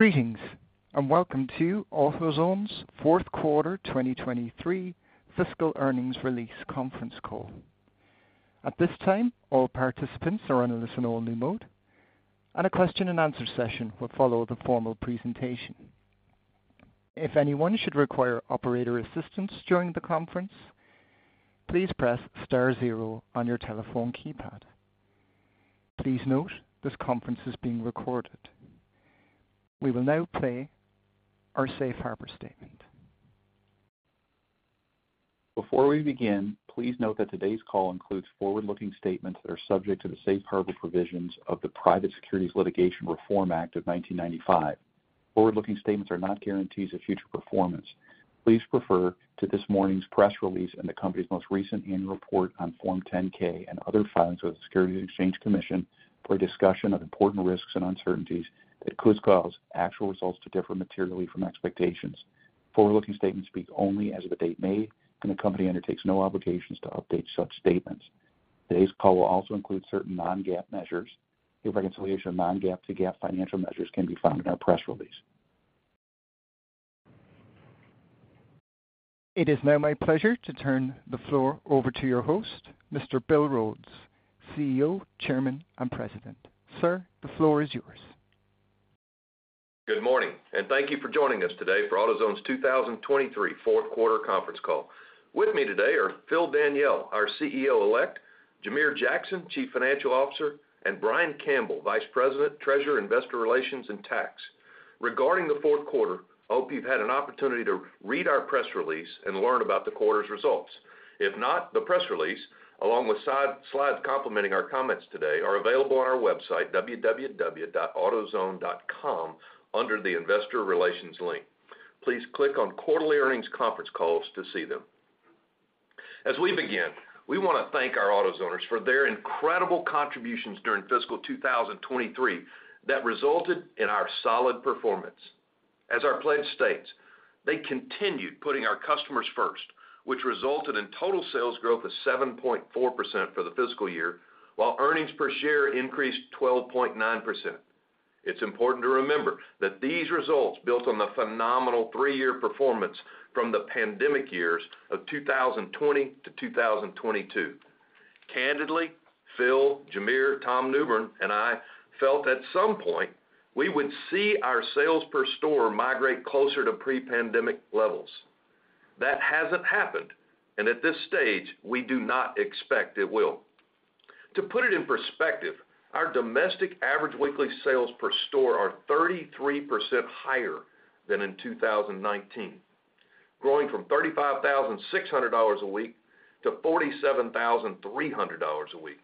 Greetings, and welcome to AutoZone's fourth quarter 2023 fiscal earnings release conference call. At this time, all participants are on a listen-only mode, and a question-and-answer session will follow the formal presentation. If anyone should require operator assistance during the conference, please press star zero on your telephone keypad. Please note, this conference is being recorded. We will now play our safe harbor statement. Before we begin, please note that today's call includes forward-looking statements that are subject to the safe harbor provisions of the Private Securities Litigation Reform Act of 1995. Forward-looking statements are not guarantees of future performance. Please refer to this morning's press release and the company's most recent annual report on Form 10-K and other filings with the Securities and Exchange Commission for a discussion of important risks and uncertainties that could cause actual results to differ materially from expectations. Forward-looking statements speak only as of the date made, and the company undertakes no obligations to update such statements. Today's call will also include certain non-GAAP measures. The reconciliation of non-GAAP to GAAP financial measures can be found in our press release. It is now my pleasure to turn the floor over to your host, Mr. Bill Rhodes, CEO, Chairman, and President. Sir, the floor is yours. Good morning, and thank you for joining us today for AutoZone's 2023 fourth quarter conference call. With me today are Phil Daniele, our CEO-elect, Jamere Jackson, Chief Financial Officer, and Brian Campbell, Vice President, Treasurer, Investor Relations, and Tax. Regarding the fourth quarter, I hope you've had an opportunity to read our press release and learn about the quarter's results. If not, the press release, along with side-slides complementing our comments today, are available on our website, www.autozone.com, under the Investor Relations link. Please click on Quarterly Earnings Conference Calls to see them. As we begin, we wanna thank our AutoZoners for their incredible contributions during fiscal 2023 that resulted in our solid performance. As our pledge states, they continued putting our customers first, which resulted in total sales growth of 7.4% for the fiscal year, while earnings per share increased 12.9%. It's important to remember that these results built on the phenomenal three-year performance from the pandemic years of 2020 to 2022. Candidly, Phil, Jamere, Tom Newbern, and I felt at some point we would see our sales per store migrate closer to pre-pandemic levels. That hasn't happened, and at this stage, we do not expect it will. To put it in perspective, our domestic average weekly sales per store are 33% higher than in 2019, growing from $35,600 a week to $47,300 a week.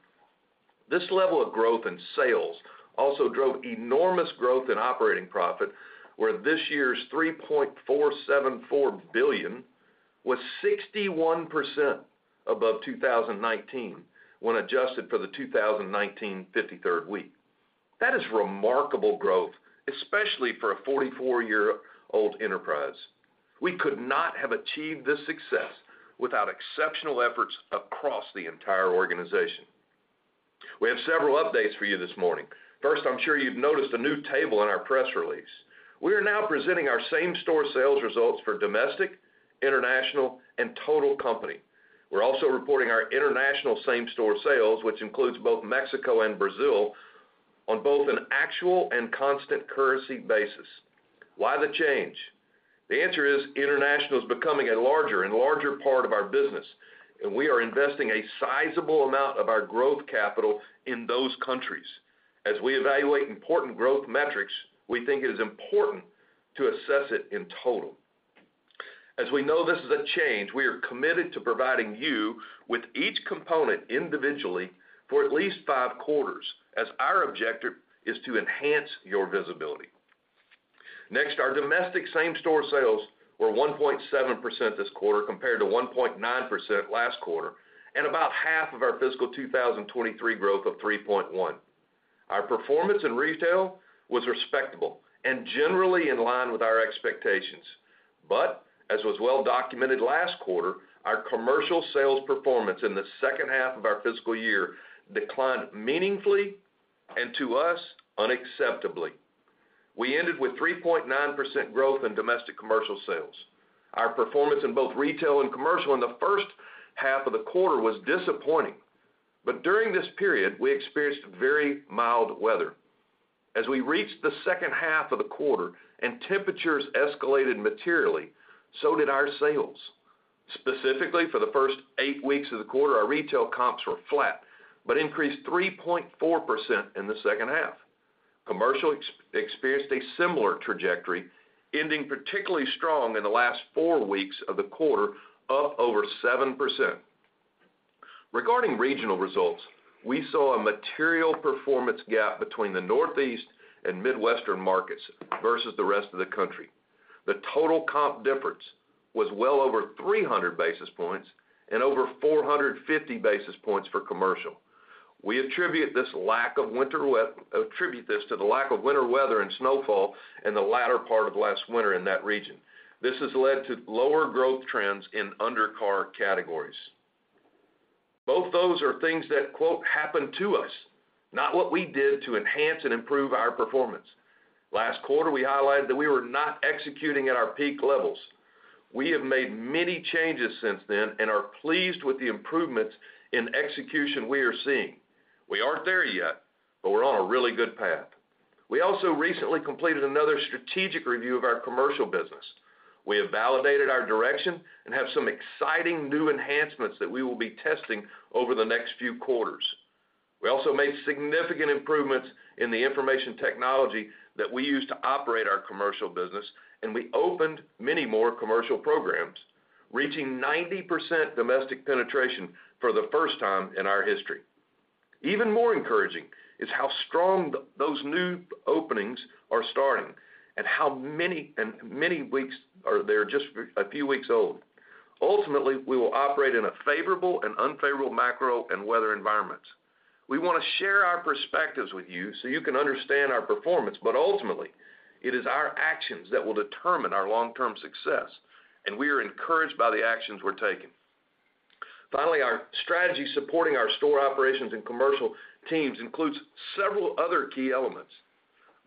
This level of growth in sales also drove enormous growth in operating profit, where this year's $3.474 billion was 61% above 2019, when adjusted for the 2019 53rd week. That is remarkable growth, especially for a 44-year-old enterprise. We could not have achieved this success without exceptional efforts across the entire organization. We have several updates for you this morning. First, I'm sure you've noticed a new table in our press release. We are now presenting our same-store sales results for domestic, international, and total company. We're also reporting our international same-store sales, which includes both Mexico and Brazil, on both an actual and constant currency basis. Why the change? The answer is international is becoming a larger and larger part of our business, and we are investing a sizable amount of our growth capital in those countries. As we evaluate important growth metrics, we think it is important to assess it in total. As we know this is a change, we are committed to providing you with each component individually for at least five quarters, as our objective is to enhance your visibility. Next, our domestic same-store sales were 1.7% this quarter, compared to 1.9% last quarter, and about half of our fiscal 2023 growth of 3.1%. Our performance in retail was respectable and generally in line with our expectations. But as was well documented last quarter, our commercial sales performance in the second half of our fiscal year declined meaningfully and, to us, unacceptably. We ended with 3.9% growth in domestic commercial sales. Our performance in both retail and commercial in the first half of the quarter was disappointing, but during this period, we experienced very mild weather. As we reached the second half of the quarter and temperatures escalated materially, so did our sales. Specifically, for the first eight weeks of the quarter, our retail comps were flat, but increased 3.4% in the second half. Commercial experienced a similar trajectory, ending particularly strong in the last four weeks of the quarter, up over 7%. Regarding regional results, we saw a material performance gap between the Northeast and Midwestern markets versus the rest of the country. The total comp difference was well over 300 basis points and over 450 basis points for commercial. We attribute this lack of winter to the lack of winter weather and snowfall in the latter part of last winter in that region. This has led to lower growth trends in undercar categories. Both those are things that, quote, "happened to us," not what we did to enhance and improve our performance. Last quarter, we highlighted that we were not executing at our peak levels. We have made many changes since then and are pleased with the improvements in execution we are seeing. We aren't there yet, but we're on a really good path. We also recently completed another strategic review of our commercial business. We have validated our direction and have some exciting new enhancements that we will be testing over the next few quarters. We also made significant improvements in the information technology that we use to operate our commercial business, and we opened many more commercial programs, reaching 90% domestic penetration for the first time in our history. Even more encouraging is how strong those new openings are starting and how many and many weeks are they're just a few weeks old. Ultimately, we will operate in a favorable and unfavorable macro and weather environments. We want to share our perspectives with you so you can understand our performance, but ultimately, it is our actions that will determine our long-term success, and we are encouraged by the actions we're taking. Finally, our strategy supporting our store operations and commercial teams includes several other key elements.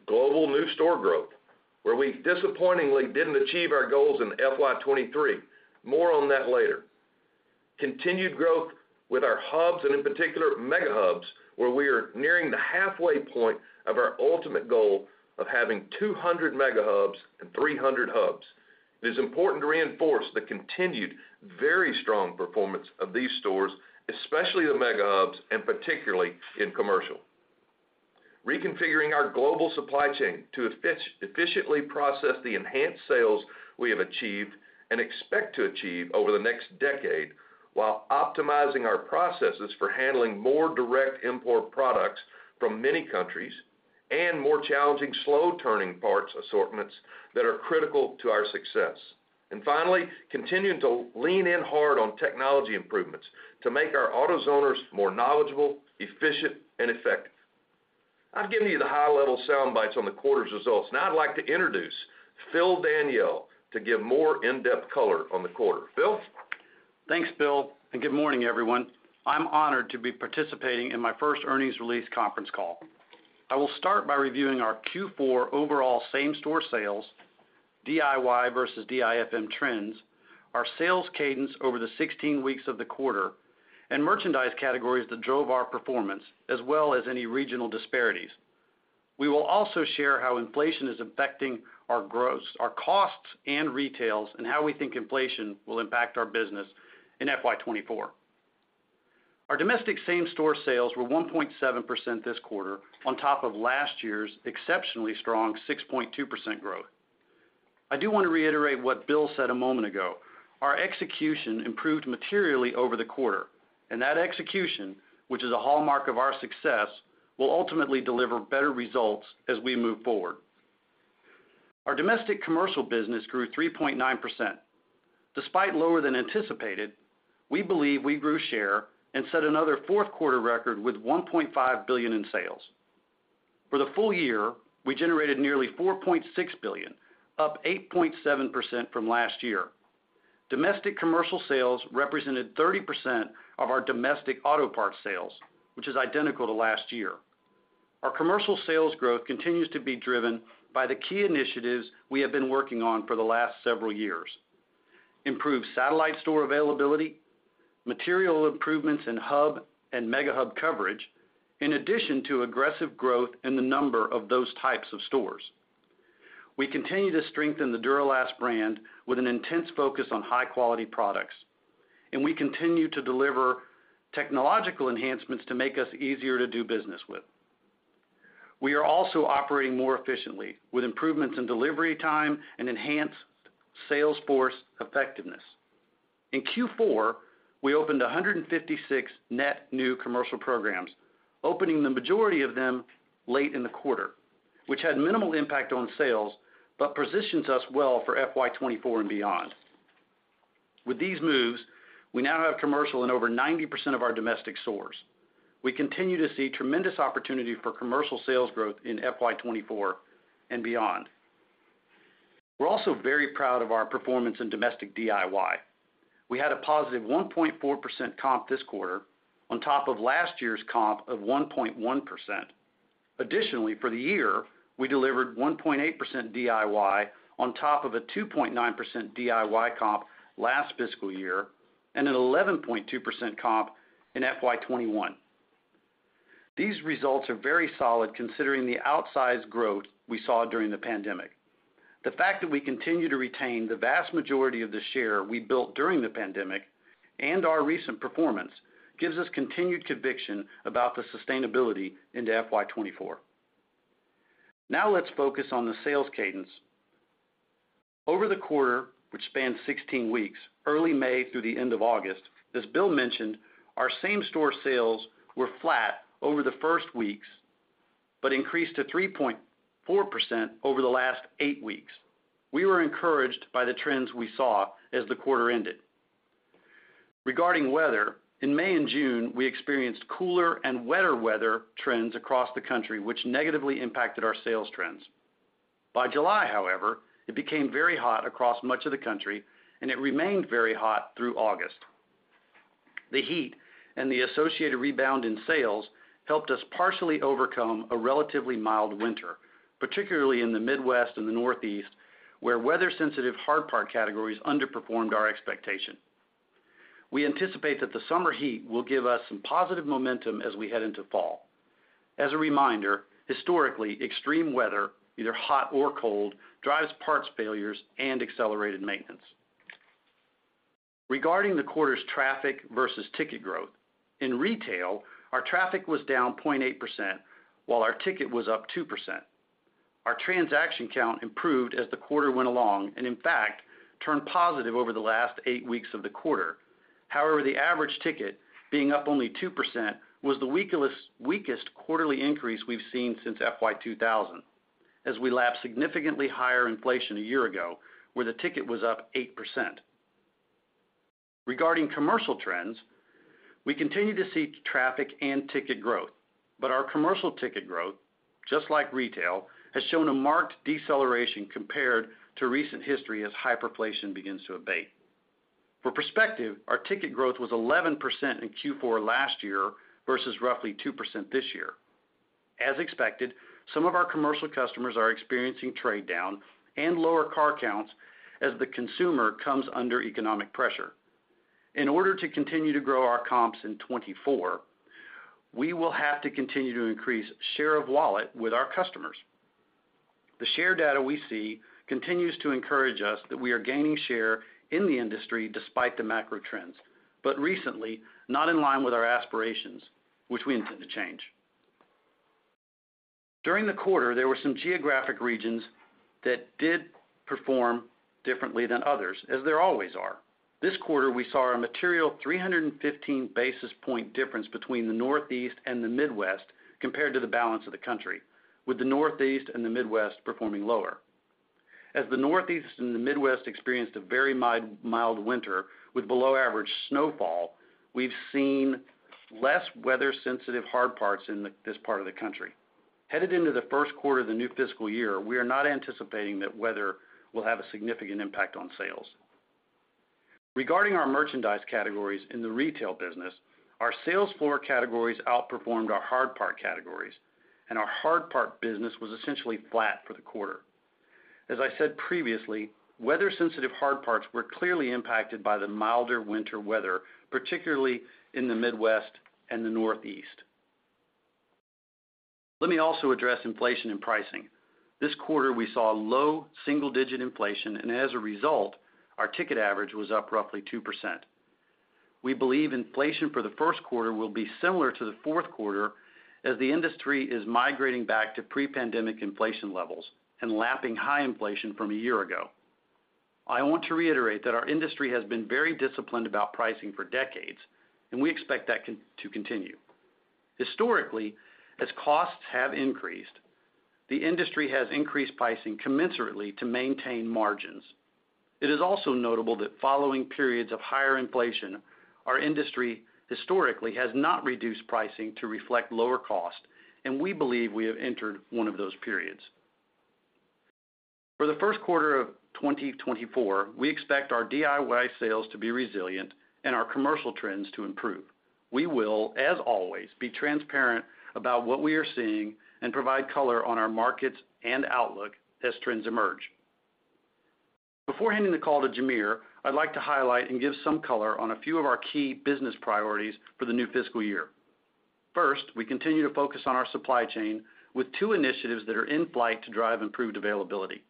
Global new store growth, where we disappointingly didn't achieve our goals in FY 2023. More on that later. Continued growth with our Hubs and in particular, MegaHubs, where we are nearing the halfway point of our ultimate goal of having 200 MegaHubs and 300 Hubs. It is important to reinforce the continued very strong performance of these stores, especially the MegaHubs, and particularly in commercial. Reconfiguring our global supply chain to efficiently process the enhanced sales we have achieved and expect to achieve over the next decade, while optimizing our processes for handling more direct import products from many countries and more challenging, slow-turning parts assortments that are critical to our success. And finally, continuing to lean in hard on technology improvements to make our AutoZoners more knowledgeable, efficient, and effective. I've given you the high-level sound bites on the quarter's results; now I'd like to introduce Phil Daniele to give more in-depth color on the quarter. Phil? Thanks, Bill, and good morning, everyone. I'm honored to be participating in my first earnings release conference call. I will start by reviewing our Q4 overall same-store sales, DIY versus DIFM trends, our sales cadence over the 16 weeks of the quarter, and merchandise categories that drove our performance, as well as any regional disparities. We will also share how inflation is affecting our gross, our costs, and retails, and how we think inflation will impact our business in FY 2024. Our domestic same-store sales were 1.7% this quarter, on top of last year's exceptionally strong 6.2% growth. I do want to reiterate what Bill said a moment ago: Our execution improved materially over the quarter, and that execution, which is a hallmark of our success, will ultimately deliver better results as we move forward. Our domestic commercial business grew 3.9%. Despite lower than anticipated, we believe we grew share and set another fourth quarter record with $1.5 billion in sales. For the full year, we generated nearly $4.6 billion, up 8.7% from last year. Domestic commercial sales represented 30% of our domestic auto parts sales, which is identical to last year. Our commercial sales growth continues to be driven by the key initiatives we have been working on for the last several years: improved satellite store availability, material improvements in Hub and MegaHub coverage, in addition to aggressive growth in the number of those types of stores. We continue to strengthen the Duralast brand with an intense focus on high-quality products, and we continue to deliver technological enhancements to make us easier to do business with. We are also operating more efficiently, with improvements in delivery time and enhanced sales force effectiveness. In Q4, we opened 156 net new commercial programs, opening the majority of them late in the quarter, which had minimal impact on sales, but positions us well for FY 2024 and beyond. With these moves, we now have commercial in over 90% of our domestic stores. We continue to see tremendous opportunity for commercial sales growth in FY 2024 and beyond. We're also very proud of our performance in domestic DIY. We had a positive 1.4% comp this quarter on top of last year's comp of 1.1%. Additionally, for the year, we delivered 1.8% DIY on top of a 2.9% DIY comp last fiscal year and an 11.2% comp in FY 2021. These results are very solid considering the outsized growth we saw during the pandemic. The fact that we continue to retain the vast majority of the share we built during the pandemic and our recent performance gives us continued conviction about the sustainability into FY 2024. Now, let's focus on the sales cadence. Over the quarter, which spans 16 weeks, early May through the end of August, as Bill mentioned, our same-store sales were flat over the first weeks, but increased to 3.4% over the last eight weeks. We were encouraged by the trends we saw as the quarter ended. Regarding weather, in May and June, we experienced cooler and wetter weather trends across the country, which negatively impacted our sales trends. By July, however, it became very hot across much of the country, and it remained very hot through August. The heat and the associated rebound in sales helped us partially overcome a relatively mild winter, particularly in the Midwest and the Northeast, where weather-sensitive hard part categories underperformed our expectation. We anticipate that the summer heat will give us some positive momentum as we head into fall. As a reminder, historically, extreme weather, either hot or cold, drives parts failures and accelerated maintenance. Regarding the quarter's traffic versus ticket growth, in retail, our traffic was down 0.8%, while our ticket was up 2%. Our transaction count improved as the quarter went along, and in fact, turned positive over the last 8 weeks of the quarter. However, the average ticket, being up only 2%, was the weakest quarterly increase we've seen since FY 2000, as we lapped significantly higher inflation a year ago, where the ticket was up 8%. Regarding commercial trends, we continue to see traffic and ticket growth, but our commercial ticket growth, just like retail, has shown a marked deceleration compared to recent history as high inflation begins to abate. For perspective, our ticket growth was 11% in Q4 last year versus roughly 2% this year. As expected, some of our commercial customers are experiencing trade down and lower car counts as the consumer comes under economic pressure. In order to continue to grow our comps in 2024, we will have to continue to increase share of wallet with our customers. The share data we see continues to encourage us that we are gaining share in the industry despite the macro trends, but recently, not in line with our aspirations, which we intend to change. During the quarter, there were some geographic regions that did perform differently than others, as there always are. This quarter, we saw a material 315 basis point difference between the Northeast and the Midwest compared to the balance of the country, with the Northeast and the Midwest performing lower. As the Northeast and the Midwest experienced a very mild winter with below-average snowfall, we've seen less weather-sensitive hard parts in this part of the country. Headed into the first quarter of the new fiscal year, we are not anticipating that weather will have a significant impact on sales. Regarding our merchandise categories in the retail business, our sales floor categories outperformed our hard part categories, and our hard part business was essentially flat for the quarter. As I said previously, weather-sensitive hard parts were clearly impacted by the milder winter weather, particularly in the Midwest and the Northeast. Let me also address inflation and pricing. This quarter, we saw low single-digit inflation, and as a result, our ticket average was up roughly 2%. We believe inflation for the first quarter will be similar to the fourth quarter as the industry is migrating back to pre-pandemic inflation levels and lapping high inflation from a year ago. I want to reiterate that our industry has been very disciplined about pricing for decades, and we expect that to continue. Historically, as costs have increased, the industry has increased pricing commensurately to maintain margins. It is also notable that following periods of higher inflation, our industry historically has not reduced pricing to reflect lower cost, and we believe we have entered one of those periods. For the first quarter of 2024, we expect our DIY sales to be resilient and our commercial trends to improve. We will, as always, be transparent about what we are seeing and provide color on our markets and outlook as trends emerge. Before handing the call to Jamere, I'd like to highlight and give some color on a few of our key business priorities for the new fiscal year. First, we continue to focus on our supply chain with two initiatives that are in flight to drive improved availability.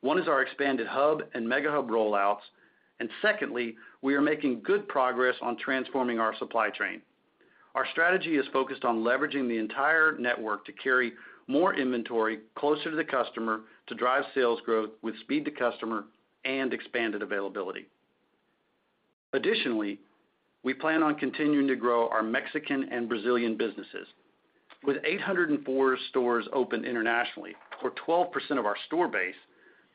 One is our expanded Hub and MegaHub rollouts, and secondly, we are making good progress on transforming our supply chain. Our strategy is focused on leveraging the entire network to carry more inventory closer to the customer to drive sales growth with speed to customer and expanded availability. Additionally, we plan on continuing to grow our Mexican and Brazilian businesses. With 804 stores open internationally, or 12% of our store base,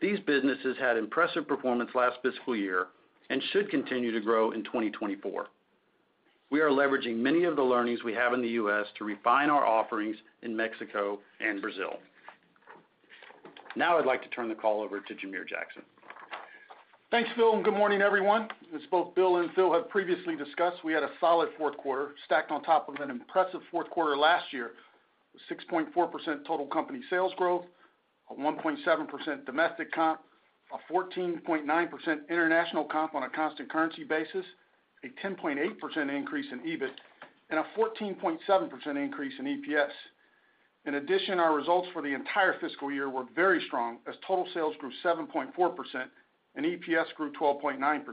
these businesses had impressive performance last fiscal year and should continue to grow in 2024. We are leveraging many of the learnings we have in the U.S. to refine our offerings in Mexico and Brazil. Now I'd like to turn the call over to Jamere Jackson. Thanks, Phil, and good morning, everyone. As both Bill and Phil have previously discussed, we had a solid fourth quarter stacked on top of an impressive fourth quarter last year, with 6.4% total company sales growth, a 1.7% domestic comp, a 14.9% international comp on a constant currency basis, a 10.8% increase in EBIT, and a 14.7% increase in EPS. In addition, our results for the entire fiscal year were very strong, as total sales grew 7.4% and EPS grew 12.9%.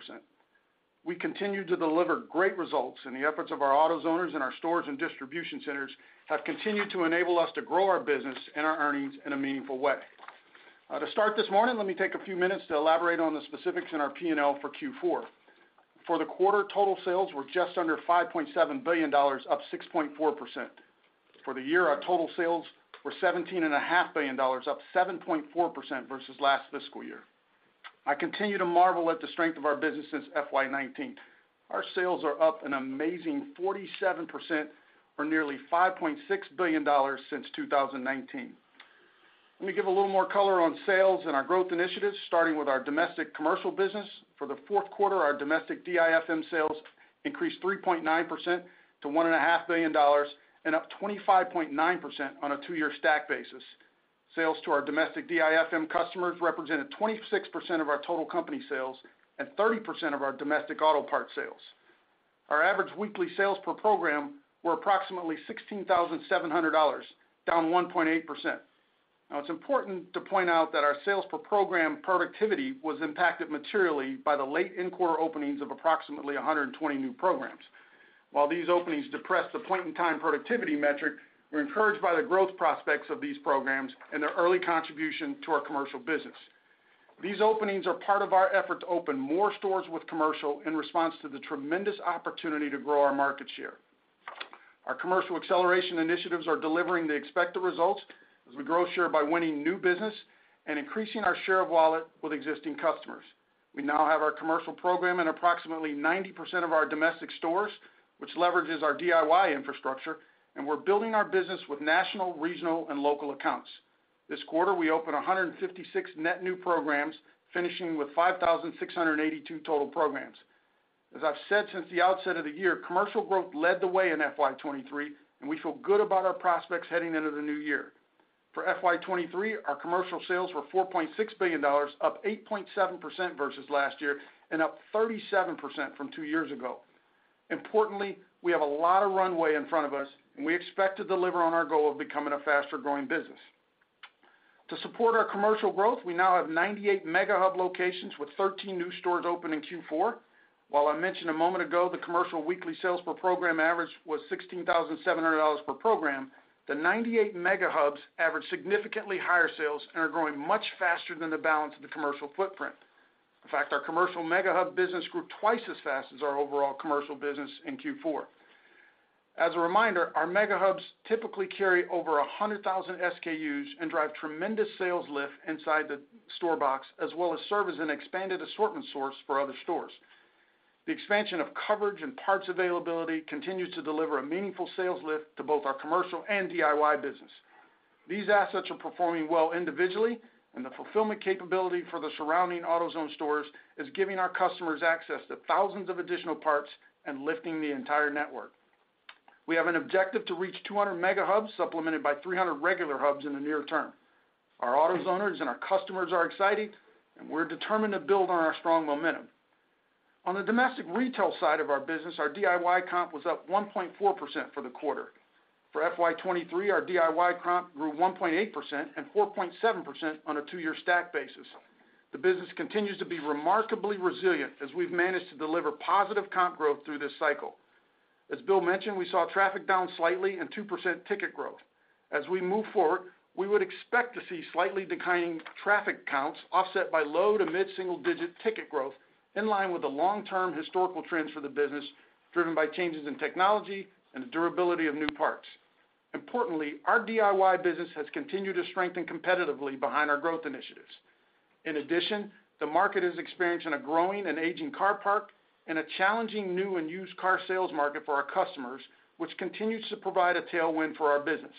We continued to deliver great results, and the efforts of our AutoZoners and our stores and distribution centers have continued to enable us to grow our business and our earnings in a meaningful way. To start this morning, let me take a few minutes to elaborate on the specifics in our P&L for Q4. For the quarter, total sales were just under $5.7 billion, up 6.4%. For the year, our total sales were $17.5 billion, up 7.4% versus last fiscal year. I continue to marvel at the strength of our business since FY 2019. Our sales are up an amazing 47%, or nearly $5.6 billion since 2019. Let me give a little more color on sales and our growth initiatives, starting with our domestic commercial business. For the fourth quarter, our domestic DIFM sales increased 3.9% to $1.5 billion and up 25.9% on a two-year stack basis. Sales to our domestic DIFM customers represented 26% of our total company sales and 30% of our domestic auto parts sales. Our average weekly sales per program were approximately $16,700, down 1.8%. Now, it's important to point out that our sales per program productivity was impacted materially by the late in-quarter openings of approximately 120 new programs. While these openings depress the point-in-time productivity metric, we're encouraged by the growth prospects of these programs and their early contribution to our commercial business. These openings are part of our effort to open more stores with commercial in response to the tremendous opportunity to grow our market share. Our commercial acceleration initiatives are delivering the expected results as we grow share by winning new business and increasing our share of wallet with existing customers. We now have our commercial program in approximately 90% of our domestic stores, which leverages our DIY infrastructure, and we're building our business with national, regional, and local accounts. This quarter, we opened 156 net new programs, finishing with 5,682 total programs. As I've said since the outset of the year, commercial growth led the way in FY 2023, and we feel good about our prospects heading into the new year. For FY 2023, our commercial sales were $4.6 billion, up 8.7% versus last year and up 37% from two years ago. Importantly, we have a lot of runway in front of us, and we expect to deliver on our goal of becoming a faster-growing business. To support our commercial growth, we now have 98 MegaHubs, with 13 new stores open in Q4. While I mentioned a moment ago, the commercial weekly sales per program average was $16,700 per program, the 98 MegaHubs average significantly higher sales and are growing much faster than the balance of the commercial footprint. In fact, our commercial MegaHubs business grew twice as fast as our overall commercial business in Q4. As a reminder, our MegaHubs typically carry over 100,000 SKUs and drive tremendous sales lift inside the store box, as well as serve as an expanded assortment source for other stores. The expansion of coverage and parts availability continues to deliver a meaningful sales lift to both our commercial and DIY business. These assets are performing well individually, and the fulfillment capability for the surrounding AutoZone stores is giving our customers access to thousands of additional parts and lifting the entire network. We have an objective to reach 200 MegaHubs, supplemented by 300 regular Hubs in the near term. Our AutoZoners and our customers are excited, and we're determined to build on our strong momentum. On the domestic retail side of our business, our DIY comp was up 1.4% for the quarter. For FY 2023, our DIY comp grew 1.8% and 4.7% on a two-year stack basis. The business continues to be remarkably resilient as we've managed to deliver positive comp growth through this cycle. As Bill mentioned, we saw traffic down slightly and 2% ticket growth. As we move forward, we would expect to see slightly declining traffic counts, offset by low to mid-single-digit ticket growth, in line with the long-term historical trends for the business, driven by changes in technology and the durability of new parts. Importantly, our DIY business has continued to strengthen competitively behind our growth initiatives. In addition, the market is experiencing a growing and aging car park and a challenging new and used car sales market for our customers, which continues to provide a tailwind for our business.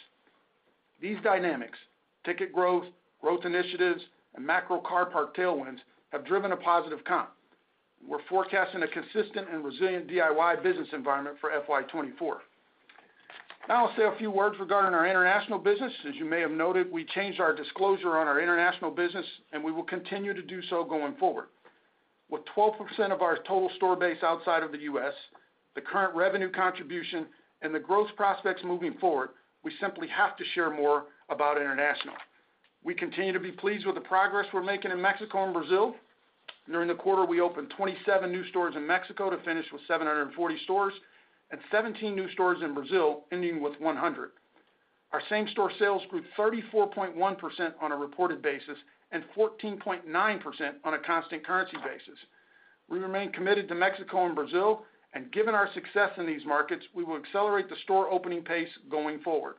These dynamics, ticket growth, growth initiatives, and macro car park tailwinds, have driven a positive comp. We're forecasting a consistent and resilient DIY business environment for FY 2024. Now I'll say a few words regarding our international business. As you may have noted, we changed our disclosure on our international business, and we will continue to do so going forward. With 12% of our total store base outside of the U.S., the current revenue contribution and the growth prospects moving forward, we simply have to share more about international. We continue to be pleased with the progress we're making in Mexico and Brazil. During the quarter, we opened 27 new stores in Mexico to finish with 740 stores and 17 new stores in Brazil, ending with 100. Our same-store sales grew 34.1% on a reported basis and 14.9% on a constant currency basis. We remain committed to Mexico and Brazil, and given our success in these markets, we will accelerate the store opening pace going forward.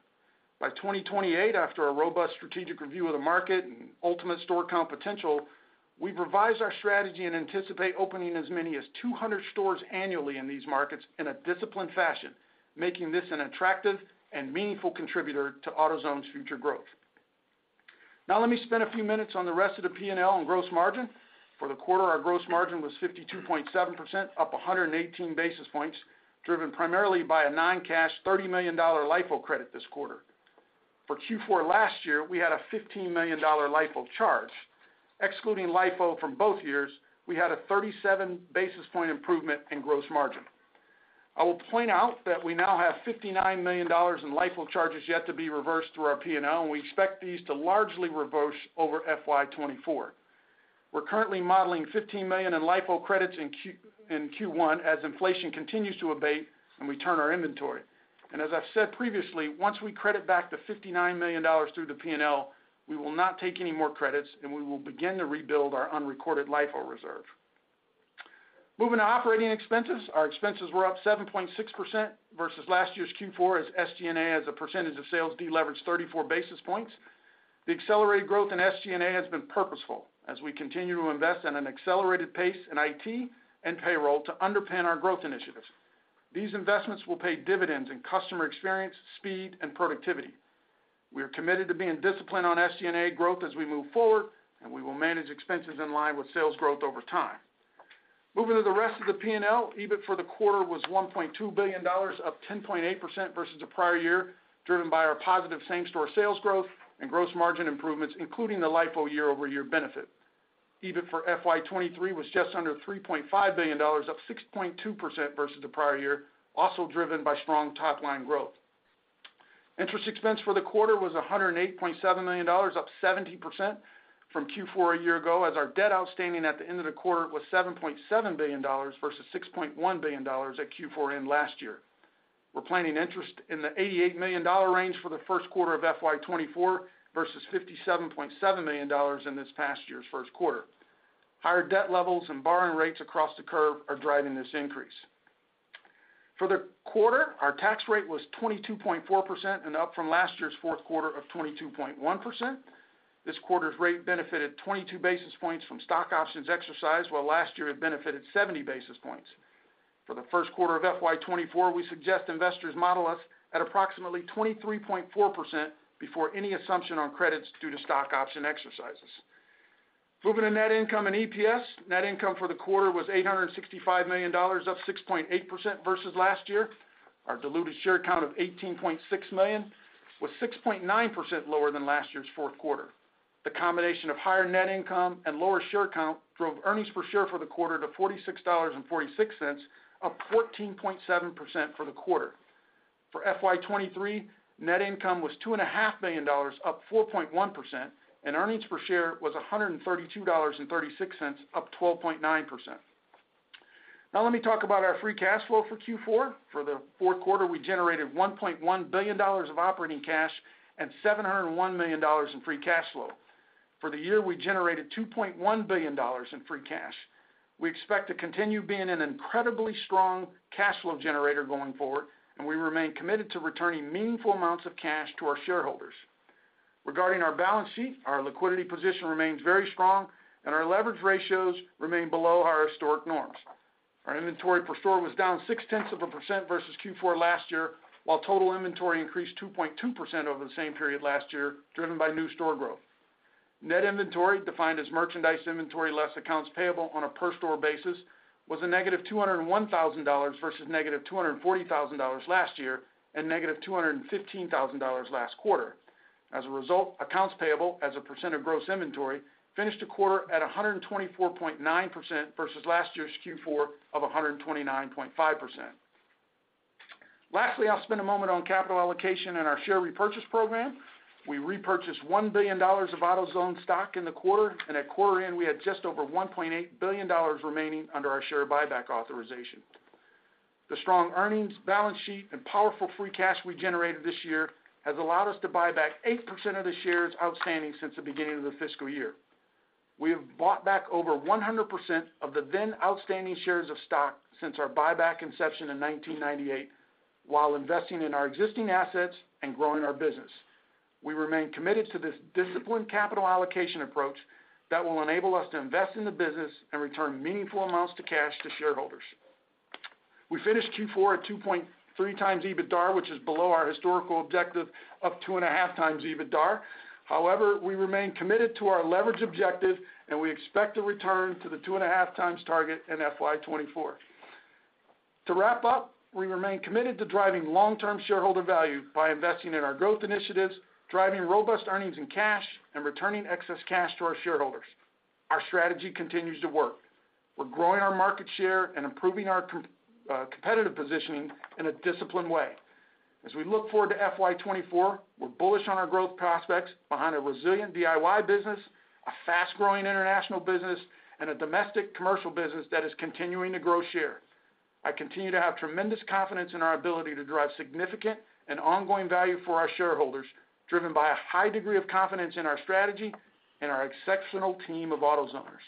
By 2028, after a robust strategic review of the market and ultimate store count potential, we've revised our strategy and anticipate opening as many as 200 stores annually in these markets in a disciplined fashion, making this an attractive and meaningful contributor to AutoZone's future growth. Now let me spend a few minutes on the rest of the P&L and gross margin. For the quarter, our gross margin was 52.7%, up 118 basis points, driven primarily by a non-cash $30 million LIFO credit this quarter. For Q4 last year, we had a $15 million LIFO charge. Excluding LIFO from both years, we had a 37 basis point improvement in gross margin. I will point out that we now have $59 million in LIFO charges yet to be reversed through our P&L, and we expect these to largely reverse over FY 2024. We're currently modeling $15 million in LIFO credits in Q1 as inflation continues to abate and we turn our inventory. And as I've said previously, once we credit back the $59 million through the P&L, we will not take any more credits, and we will begin to rebuild our unrecorded LIFO reserve. Moving to operating expenses. Our expenses were up 7.6% versus last year's Q4, as SG&A, as a percentage of sales, deleveraged 34 basis points. The accelerated growth in SG&A has been purposeful as we continue to invest at an accelerated pace in IT and payroll to underpin our growth initiatives. These investments will pay dividends in customer experience, speed, and productivity. We are committed to being disciplined on SG&A growth as we move forward, and we will manage expenses in line with sales growth over time. Moving to the rest of the P&L, EBIT for the quarter was $1.2 billion, up 10.8% versus the prior year, driven by our positive same-store sales growth and gross margin improvements, including the LIFO year-over-year benefit. EBIT for FY 2023 was just under $3.5 billion, up 6.2% versus the prior year, also driven by strong top-line growth. Interest expense for the quarter was $108.7 million, up 70% from Q4 a year ago, as our debt outstanding at the end of the quarter was $7.7 billion versus $6.1 billion at Q4 end last year. We're planning interest in the $88 million range for the first quarter of FY 2024 versus $57.7 million in this past year's first quarter. Higher debt levels and borrowing rates across the curve are driving this increase. For the quarter, our tax rate was 22.4% and up from last year's fourth quarter of 22.1%. This quarter's rate benefited 22 basis points from stock options exercised, while last year it benefited 70 basis points. For the first quarter of FY 2024, we suggest investors model us at approximately 23.4% before any assumption on credits due to stock option exercises. Moving to net income and EPS. Net income for the quarter was $865 million, up 6.8% versus last year. Our diluted share count of 18.6 million was 6.9% lower than last year's fourth quarter. The combination of higher net income and lower share count drove earnings per share for the quarter to $46.46, up 14.7% for the quarter. For FY 2023, net income was $2.5 million, up 4.1%, and earnings per share was $132.36, up 12.9%. Now, let me talk about our free cash flow for Q4. For the fourth quarter, we generated $1.1 billion of operating cash and $701 million in free cash flow. For the year, we generated $2.1 billion in free cash. We expect to continue being an incredibly strong cash flow generator going forward, and we remain committed to returning meaningful amounts of cash to our shareholders. Regarding our balance sheet, our liquidity position remains very strong, and our leverage ratios remain below our historic norms. Our inventory per store was down 0.6% versus Q4 last year, while total inventory increased 2.2% over the same period last year, driven by new store growth. Net inventory, defined as merchandise inventory less accounts payable on a per store basis, was -$201,000 versus -$240,000 last year, and -$215,000 last quarter. As a result, accounts payable, as a percent of gross inventory, finished a quarter at 124.9% versus last year's Q4 of 129.5%. Lastly, I'll spend a moment on capital allocation and our share repurchase program. We repurchased $1 billion of AutoZone stock in the quarter, and at quarter end, we had just over $1.8 billion remaining under our share buyback authorization. The strong earnings, balance sheet, and powerful free cash we generated this year has allowed us to buy back 8% of the shares outstanding since the beginning of the fiscal year. We have bought back over 100% of the then outstanding shares of stock since our buyback inception in 1998, while investing in our existing assets and growing our business. We remain committed to this disciplined capital allocation approach that will enable us to invest in the business and return meaningful amounts to cash to shareholders. We finished Q4 at 2.3x EBITDAR, which is below our historical objective of 2.5x EBITDAR. However, we remain committed to our leverage objective, and we expect to return to the 2.5x target in FY 2024. To wrap up, we remain committed to driving long-term shareholder value by investing in our growth initiatives, driving robust earnings and cash, and returning excess cash to our shareholders. Our strategy continues to work. We're growing our market share and improving our competitive positioning in a disciplined way. As we look forward to FY 2024, we're bullish on our growth prospects behind a resilient DIY business, a fast-growing international business, and a domestic commercial business that is continuing to grow share. I continue to have tremendous confidence in our ability to drive significant and ongoing value for our shareholders, driven by a high degree of confidence in our strategy and our exceptional team of AutoZoners.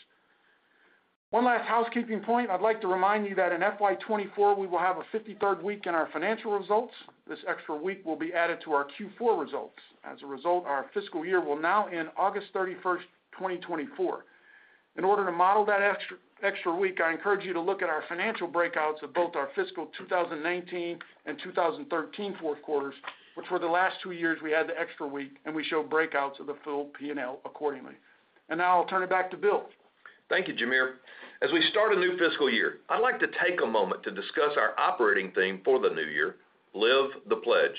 One last housekeeping point. I'd like to remind you that in FY 2024, we will have a 53rd week in our financial results. This extra week will be added to our Q4 results. As a result, our fiscal year will now end August 31st, 2024. In order to model that extra, extra week, I encourage you to look at our financial breakouts of both our fiscal 2019 and 2013 fourth quarters, which were the last two years we had the extra week, and we show breakouts of the full P&L accordingly. Now I'll turn it back to Bill. Thank you, Jamere. As we start a new fiscal year, I'd like to take a moment to discuss our operating theme for the new year, Live the Pledge.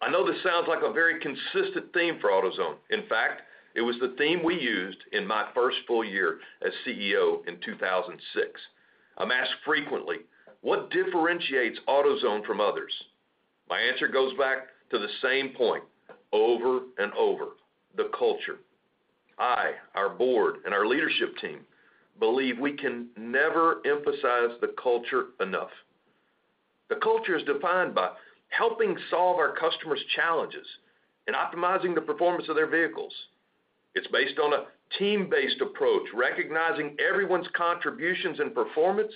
I know this sounds like a very consistent theme for AutoZone. In fact, it was the theme we used in my first full year as CEO in 2006. I'm asked frequently, "What differentiates AutoZone from others?" My answer goes back to the same point over and over, the culture. I, our board, and our leadership team believe we can never emphasize the culture enough.... The culture is defined by helping solve our customers' challenges and optimizing the performance of their vehicles. It's based on a team-based approach, recognizing everyone's contributions and performance,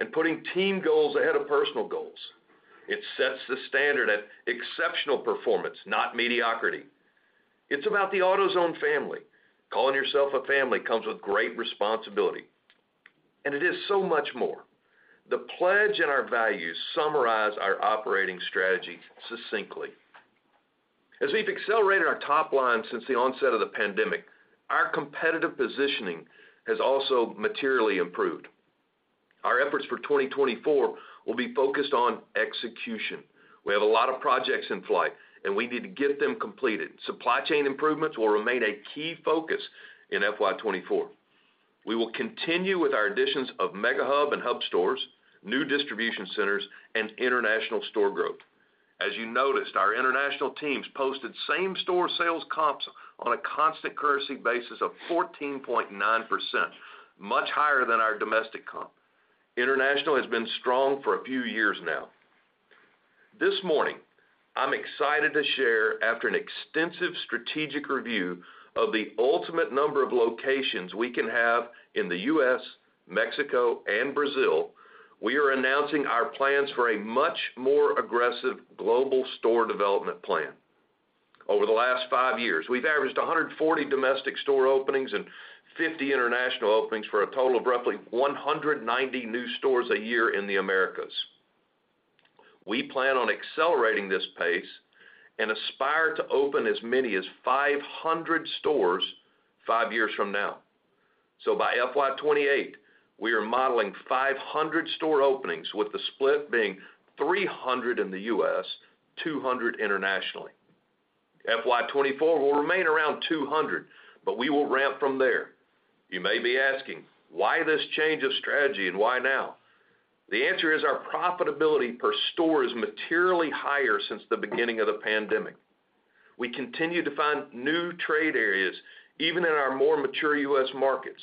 and putting team goals ahead of personal goals. It sets the standard at exceptional performance, not mediocrity. It's about the AutoZone family. Calling yourself a family comes with great responsibility, and it is so much more. The pledge and our values summarize our operating strategy succinctly. As we've accelerated our top line since the onset of the pandemic, our competitive positioning has also materially improved. Our efforts for 2024 will be focused on execution. We have a lot of projects in flight, and we need to get them completed. Supply chain improvements will remain a key focus in FY 2024. We will continue with our additions of MegaHub and Hub stores, new Distribution centers, and international store growth. As you noticed, our international teams posted same-store sales comps on a constant currency basis of 14.9%, much higher than our domestic comp. International has been strong for a few years now. This morning, I'm excited to share, after an extensive strategic review of the ultimate number of locations we can have in the U.S., Mexico, and Brazil, we are announcing our plans for a much more aggressive global store development plan. Over the last five years, we've averaged 140 domestic store openings and 50 international openings for a total of roughly 190 new stores a year in the Americas. We plan on accelerating this pace and aspire to open as many as 500 stores five years from now. So by FY 2028, we are modeling 500 store openings, with the split being 300 in the U.S., 200 internationally. FY 2024 will remain around 200, but we will ramp from there. You may be asking: Why this change of strategy, and why now? The answer is our profitability per store is materially higher since the beginning of the pandemic. We continue to find new trade areas, even in our more mature U.S. markets.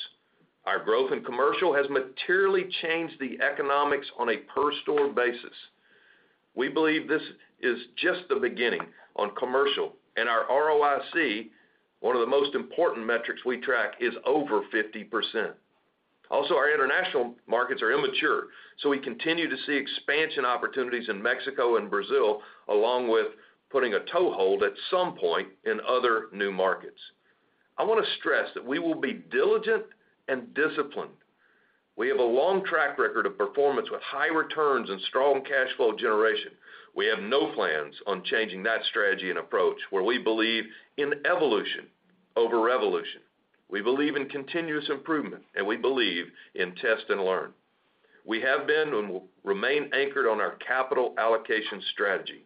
Our growth in commercial has materially changed the economics on a per-store basis. We believe this is just the beginning on commercial, and our ROIC, one of the most important metrics we track, is over 50%. Also, our international markets are immature, so we continue to see expansion opportunities in Mexico and Brazil, along with putting a toehold at some point in other new markets. I want to stress that we will be diligent and disciplined. We have a long track record of performance with high returns and strong cash flow generation. We have no plans on changing that strategy and approach, where we believe in evolution over revolution. We believe in continuous improvement, and we believe in test and learn. We have been and will remain anchored on our capital allocation strategy.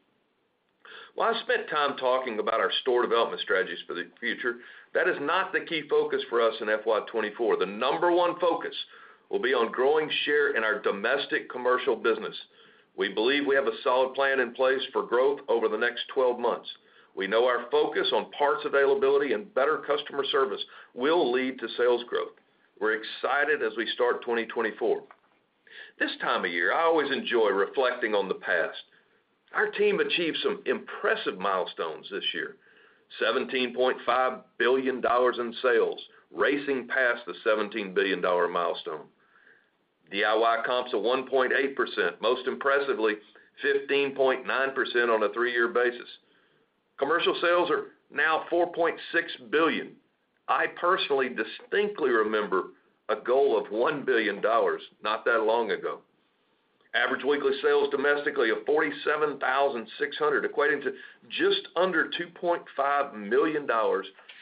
While I spent time talking about our store development strategies for the future, that is not the key focus for us in FY 2024. The number one focus will be on growing share in our domestic commercial business. We believe we have a solid plan in place for growth over the next 12 months. We know our focus on parts availability and better customer service will lead to sales growth. We're excited as we start 2024. This time of year, I always enjoy reflecting on the past. Our team achieved some impressive milestones this year. $17.5 billion in sales, racing past the $17 billion milestone. DIY comps of 1.8%, most impressively, 15.9% on a three-year basis. Commercial sales are now $4.6 billion. I personally distinctly remember a goal of $1 billion not that long ago. Average weekly sales domestically of 47,600, equating to just under $2.5 million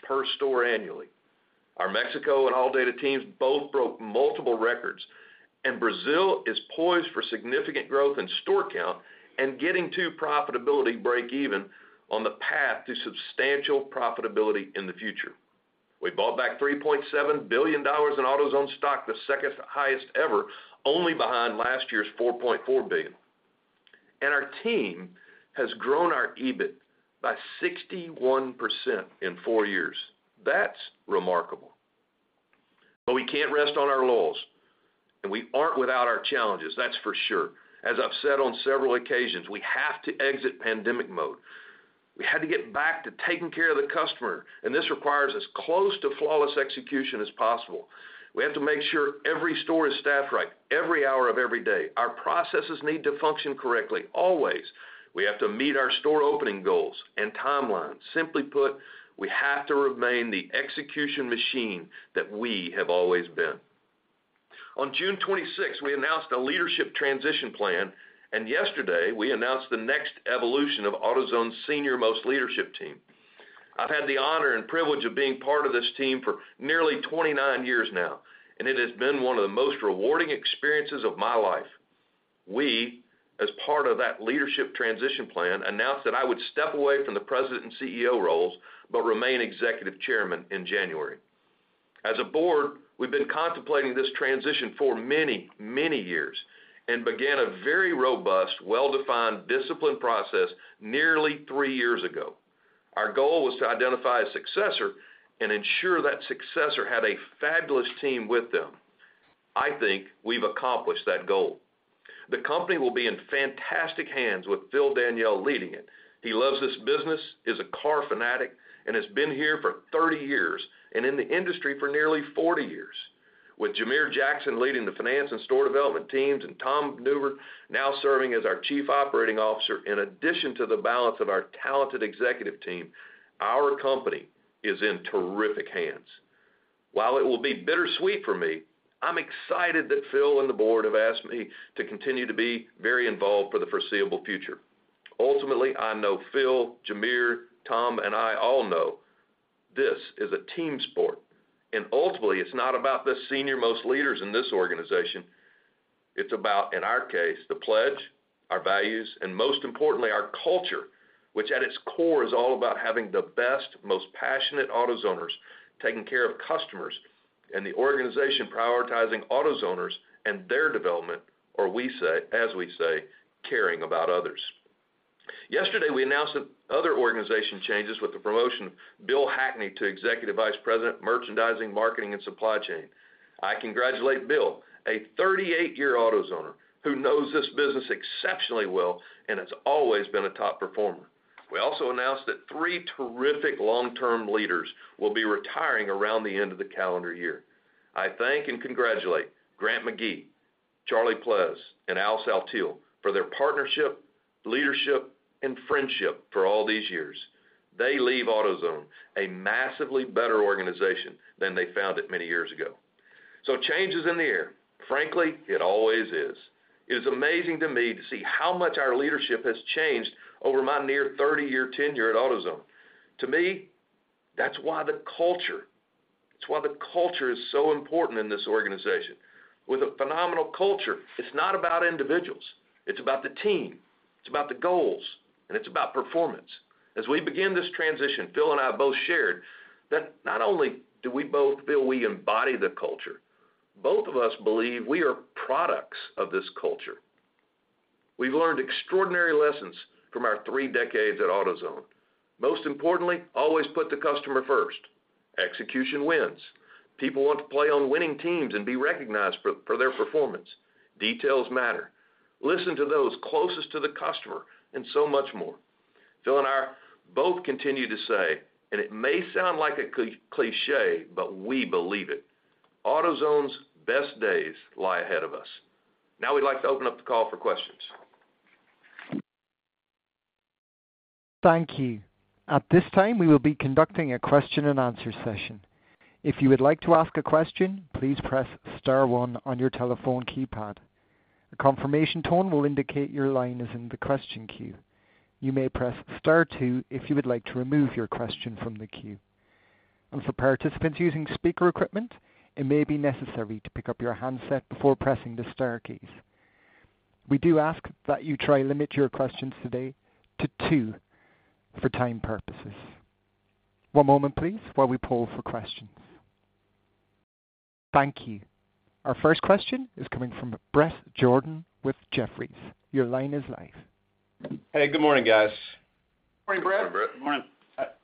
per store annually. Our Mexico and ALLDATA teams both broke multiple records, and Brazil is poised for significant growth in store count and getting to profitability break even on the path to substantial profitability in the future. We bought back $3.7 billion in AutoZone stock, the second highest ever, only behind last year's $4.4 billion. And our team has grown our EBIT by 61% in four years. That's remarkable. But we can't rest on our laurels, and we aren't without our challenges, that's for sure. As I've said on several occasions, we have to exit pandemic mode. We had to get back to taking care of the customer, and this requires as close to flawless execution as possible. We have to make sure every store is staffed right, every hour of every day. Our processes need to function correctly, always. We have to meet our store opening goals and timelines. Simply put, we have to remain the execution machine that we have always been. On June 26, we announced a leadership transition plan, and yesterday, we announced the next evolution of AutoZone's senior-most leadership team. I've had the honor and privilege of being part of this team for nearly 29 years now, and it has been one of the most rewarding experiences of my life. We, as part of that leadership transition plan, announced that I would step away from the President and CEO roles but remain Executive Chairman in January. As a board, we've been contemplating this transition for many, many years and began a very robust, well-defined, disciplined process nearly three years ago. Our goal was to identify a successor and ensure that successor had a fabulous team with them. I think we've accomplished that goal. The company will be in fantastic hands with Phil Daniele leading it. He loves this business, is a car fanatic, and has been here for 30 years, and in the industry for nearly 40 years. With Jamere Jackson leading the finance and store development teams, and Tom Newbern now serving as our Chief Operating Officer, in addition to the balance of our talented executive team, our company is in terrific hands. While it will be bittersweet for me, I'm excited that Phil and the board have asked me to continue to be very involved for the foreseeable future. Ultimately, I know Phil, Jamere, Tom, and I all know this is a team sport, and ultimately, it's not about the senior-most leaders in this organization. It's about, in our case, the pledge, our values, and most importantly, our culture, which at its core, is all about having the best, most passionate AutoZoners, taking care of customers, and the organization prioritizing AutoZoners and their development, or as we say, caring about others. Yesterday, we announced some other organization changes with the promotion of Bill Hackney to Executive Vice President, Merchandising, Marketing and Supply Chain. I congratulate Bill, a 38-year AutoZoner, who knows this business exceptionally well and has always been a top performer. We also announced that three terrific long-term leaders will be retiring around the end of the calendar year. I thank and congratulate Grant McGee, Charlie Pleas, and Al Saltiel for their partnership, leadership, and friendship for all these years. They leave AutoZone a massively better organization than they found it many years ago. So change is in the air. Frankly, it always is. It is amazing to me to see how much our leadership has changed over my near 30-year tenure at AutoZone. To me, that's why the culture, it's why the culture is so important in this organization. With a phenomenal culture, it's not about individuals, it's about the team, it's about the goals, and it's about performance. As we begin this transition, Phil and I have both shared that not only do we both feel we embody the culture, both of us believe we are products of this culture. We've learned extraordinary lessons from our three decades at AutoZone. Most importantly, always put the customer first. Execution wins. People want to play on winning teams and be recognized for their performance. Details matter. Listen to those closest to the customer, and so much more. Phil and I both continue to say, and it may sound like a cliché, but we believe it, AutoZone's best days lie ahead of us. Now we'd like to open up the call for questions. Thank you. At this time, we will be conducting a question and answer session. If you would like to ask a question, please press star one on your telephone keypad. A confirmation tone will indicate your line is in the question queue. You may press star two if you would like to remove your question from the queue. And for participants using speaker equipment, it may be necessary to pick up your handset before pressing the star keys. We do ask that you try to limit your questions today to two for time purposes. One moment, please, while we pull for questions. Thank you. Our first question is coming from Brett Jordan with Jefferies. Your line is live. Hey, good morning, guys. Good morning, Brett. Good morning.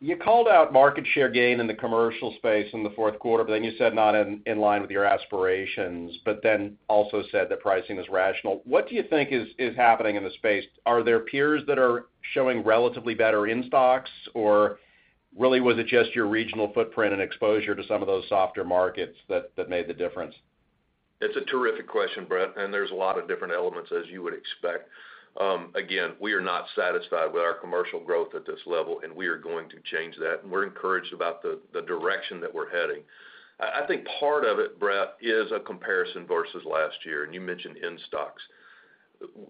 You called out market share gain in the commercial space in the fourth quarter, but then you said not in line with your aspirations, but then also said that pricing is rational. What do you think is happening in the space? Are there peers that are showing relatively better in stocks, or really, was it just your regional footprint and exposure to some of those softer markets that made the difference? It's a terrific question, Brett, and there's a lot of different elements, as you would expect. Again, we are not satisfied with our commercial growth at this level, and we are going to change that, and we're encouraged about the direction that we're heading. I think part of it, Brett, is a comparison versus last year, and you mentioned in-stocks.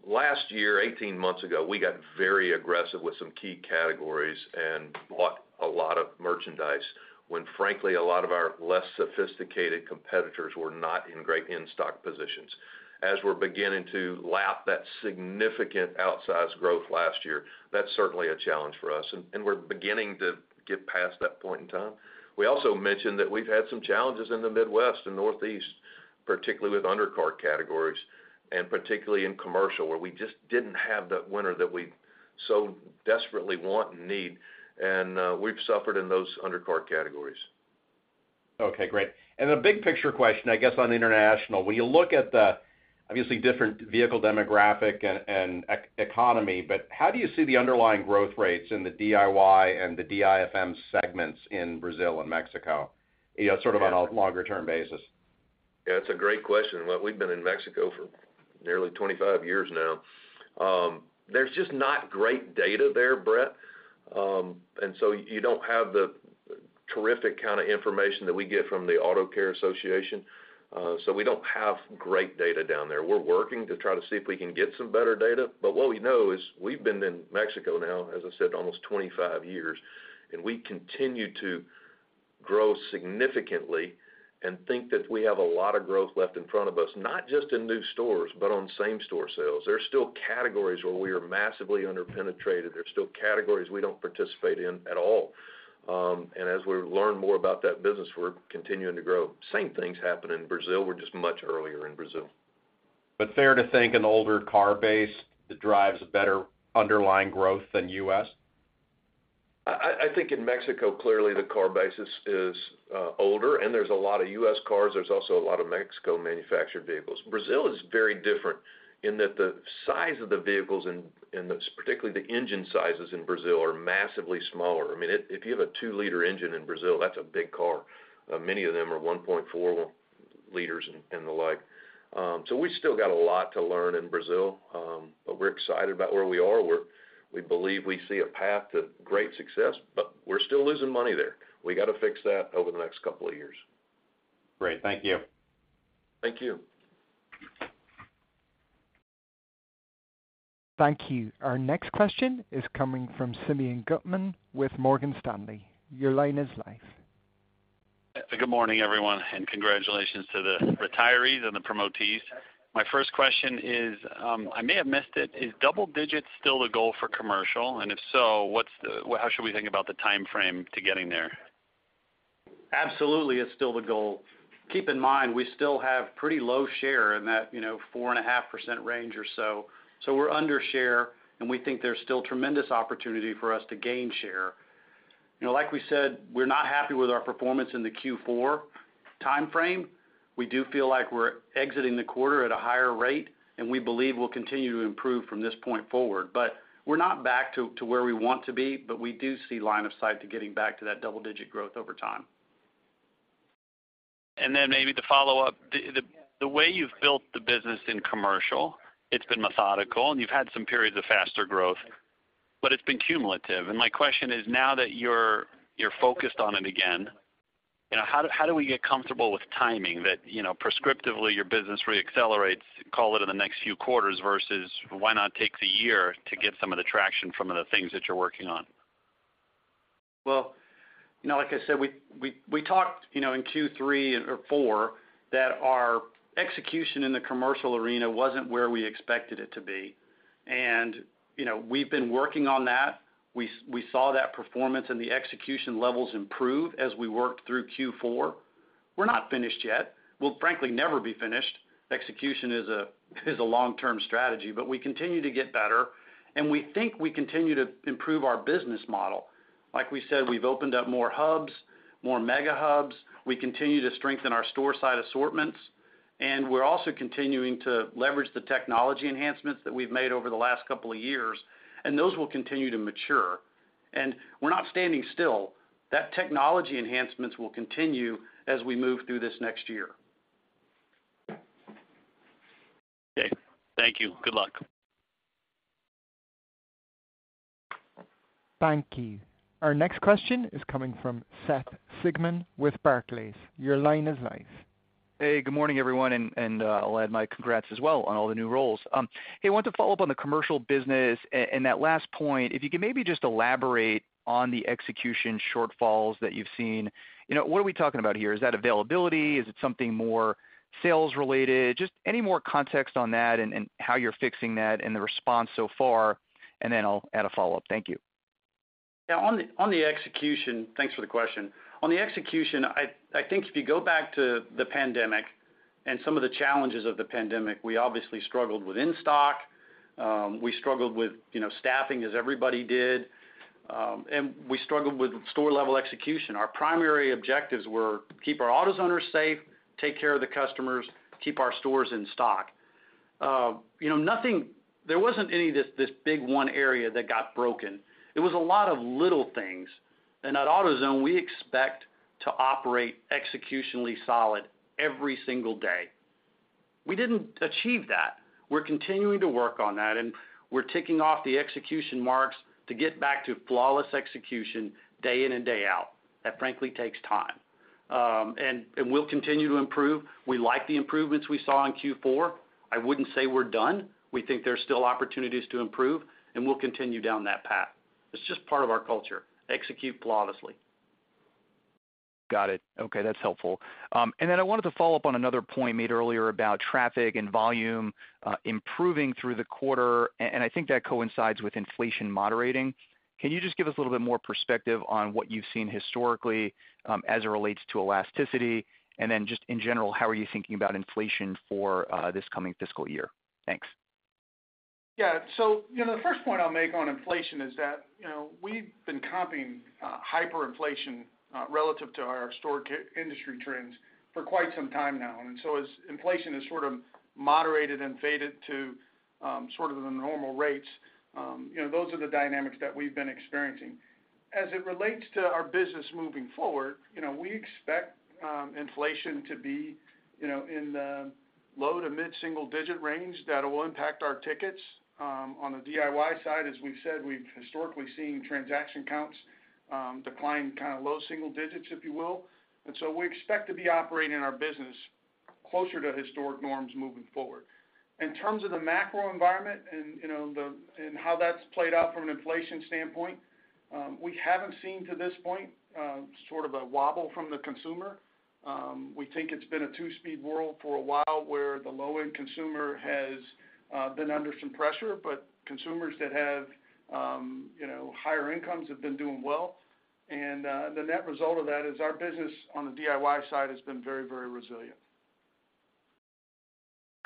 Last year, 18 months ago, we got very aggressive with some key categories and bought a lot of merchandise when, frankly, a lot of our less sophisticated competitors were not in great in-stock positions. As we're beginning to lap that significant outsized growth last year, that's certainly a challenge for us, and we're beginning to get past that point in time. We also mentioned that we've had some challenges in the Midwest and Northeast, particularly with undercar categories and particularly in commercial, where we just didn't have that winner that we so desperately want and need, and we've suffered in those undercar categories. Okay, great. A big picture question, I guess, on international. When you look at the obviously different vehicle demographic and economy, but how do you see the underlying growth rates in the DIY and the DIFM segments in Brazil and Mexico? You know, sort of on a longer-term basis. Yeah, it's a great question. Well, we've been in Mexico for nearly 25 years now. There's just not great data there, Brett, and so you don't have the terrific kind of information that we get from the Auto Care Association. So we don't have great data down there. We're working to try to see if we can get some better data, but what we know is we've been in Mexico now, as I said, almost 25 years, and we continue to grow significantly and think that we have a lot of growth left in front of us, not just in new stores, but on same store sales. There are still categories where we are massively underpenetrated. There are still categories we don't participate in at all. And as we learn more about that business, we're continuing to grow. Same things happen in Brazil. We're just much earlier in Brazil. But fair to think an older car base that drives a better underlying growth than U.S.? I think in Mexico, clearly, the car base is older, and there's a lot of U.S. cars. There's also a lot of Mexico-manufactured vehicles. Brazil is very different in that the size of the vehicles, and particularly the engine sizes in Brazil are massively smaller. I mean, if you have a 2L engine in Brazil, that's a big car. Many of them are 1.4Ls and the like. So we still got a lot to learn in Brazil, but we're excited about where we are. We believe we see a path to great success, but we're still losing money there. We got to fix that over the next couple of years. Great. Thank you. Thank you. Thank you. Our next question is coming from Simeon Gutman with Morgan Stanley. Your line is live. Good morning, everyone, and congratulations to the retirees and the promotees. My first question is, I may have missed it: Is double digits still the goal for commercial? And if so, what's the-- how should we think about the timeframe to getting there? Absolutely, it's still the goal. Keep in mind, we still have pretty low share in that, you know, 4.5% range or so. So we're under share, and we think there's still tremendous opportunity for us to gain share. You know, like we said, we're not happy with our performance in the Q4 timeframe. We do feel like we're exiting the quarter at a higher rate, and we believe we'll continue to improve from this point forward. But we're not back to where we want to be, but we do see line of sight to getting back to that double-digit growth over time. And then maybe to follow up, the way you've built the business in commercial, it's been methodical, and you've had some periods of faster growth, but it's been cumulative. And my question is, now that you're focused on it again, you know, how do we get comfortable with timing that, you know, prescriptively, your business reaccelerates, call it in the next few quarters, versus why not take the year to get some of the traction from the things that you're working on? Well, you know, like I said, we talked, you know, in Q3 or Q4, that our execution in the commercial arena wasn't where we expected it to be. And, you know, we've been working on that. We saw that performance and the execution levels improve as we worked through Q4. We're not finished yet. We'll frankly never be finished. Execution is a long-term strategy, but we continue to get better, and we think we continue to improve our business model. Like we said, we've opened up more Hubs, more MegaHubs. We continue to strengthen our store site assortments, and we're also continuing to leverage the technology enhancements that we've made over the last couple of years, and those will continue to mature. And we're not standing still. That technology enhancements will continue as we move through this next year. Okay. Thank you. Good luck. Thank you. Our next question is coming from Seth Sigman with Barclays. Your line is live. Hey, good morning, everyone, and I'll add my congrats as well on all the new roles. Hey, I want to follow up on the commercial business and that last point, if you could maybe just elaborate on the execution shortfalls that you've seen. You know, what are we talking about here? Is that availability? Is it something more sales-related? Just any more context on that and how you're fixing that and the response so far, and then I'll add a follow-up. Thank you. Yeah, on the execution. Thanks for the question. On the execution, I think if you go back to the pandemic and some of the challenges of the pandemic, we obviously struggled with in-stock, we struggled with, you know, staffing as everybody did, and we struggled with store-level execution. Our primary objectives were keep our AutoZoners safe, take care of the customers, keep our stores in stock. You know, nothing. There wasn't any, this big one area that got broken. It was a lot of little things, and at AutoZone, we expect to operate executionally solid every single day. We didn't achieve that. We're continuing to work on that, and we're ticking off the execution marks to get back to flawless execution day in and day out. That, frankly, takes time. And we'll continue to improve. We like the improvements we saw in Q4. I wouldn't say we're done. We think there's still opportunities to improve, and we'll continue down that path. It's just part of our culture: execute flawlessly. Got it. Okay, that's helpful. And then I wanted to follow up on another point made earlier about traffic and volume improving through the quarter, and I think that coincides with inflation moderating. Can you just give us a little bit more perspective on what you've seen historically, as it relates to elasticity? And then just in general, how are you thinking about inflation for this coming fiscal year? Thanks. Yeah. So you know, the first point I'll make on inflation is that, you know, we've been coping with hyperinflation relative to our store industry trends for quite some time now. And so as inflation has sort of moderated and faded to sort of the normal rates, you know, those are the dynamics that we've been experiencing. As it relates to our business moving forward, you know, we expect inflation to be, you know, in the low to mid-single-digit range. That will impact our tickets. On the DIY side, as we've said, we've historically seen transaction counts decline kind of low single digits, if you will. And so we expect to be operating our business closer to historic norms moving forward. In terms of the macro environment and, you know, the, and how that's played out from an inflation standpoint, we haven't seen, to this point, sort of a wobble from the consumer. We think it's been a two-speed world for a while, where the low-end consumer has been under some pressure, but consumers that have, you know, higher incomes have been doing well.... And, the net result of that is our business on the DIY side has been very, very resilient.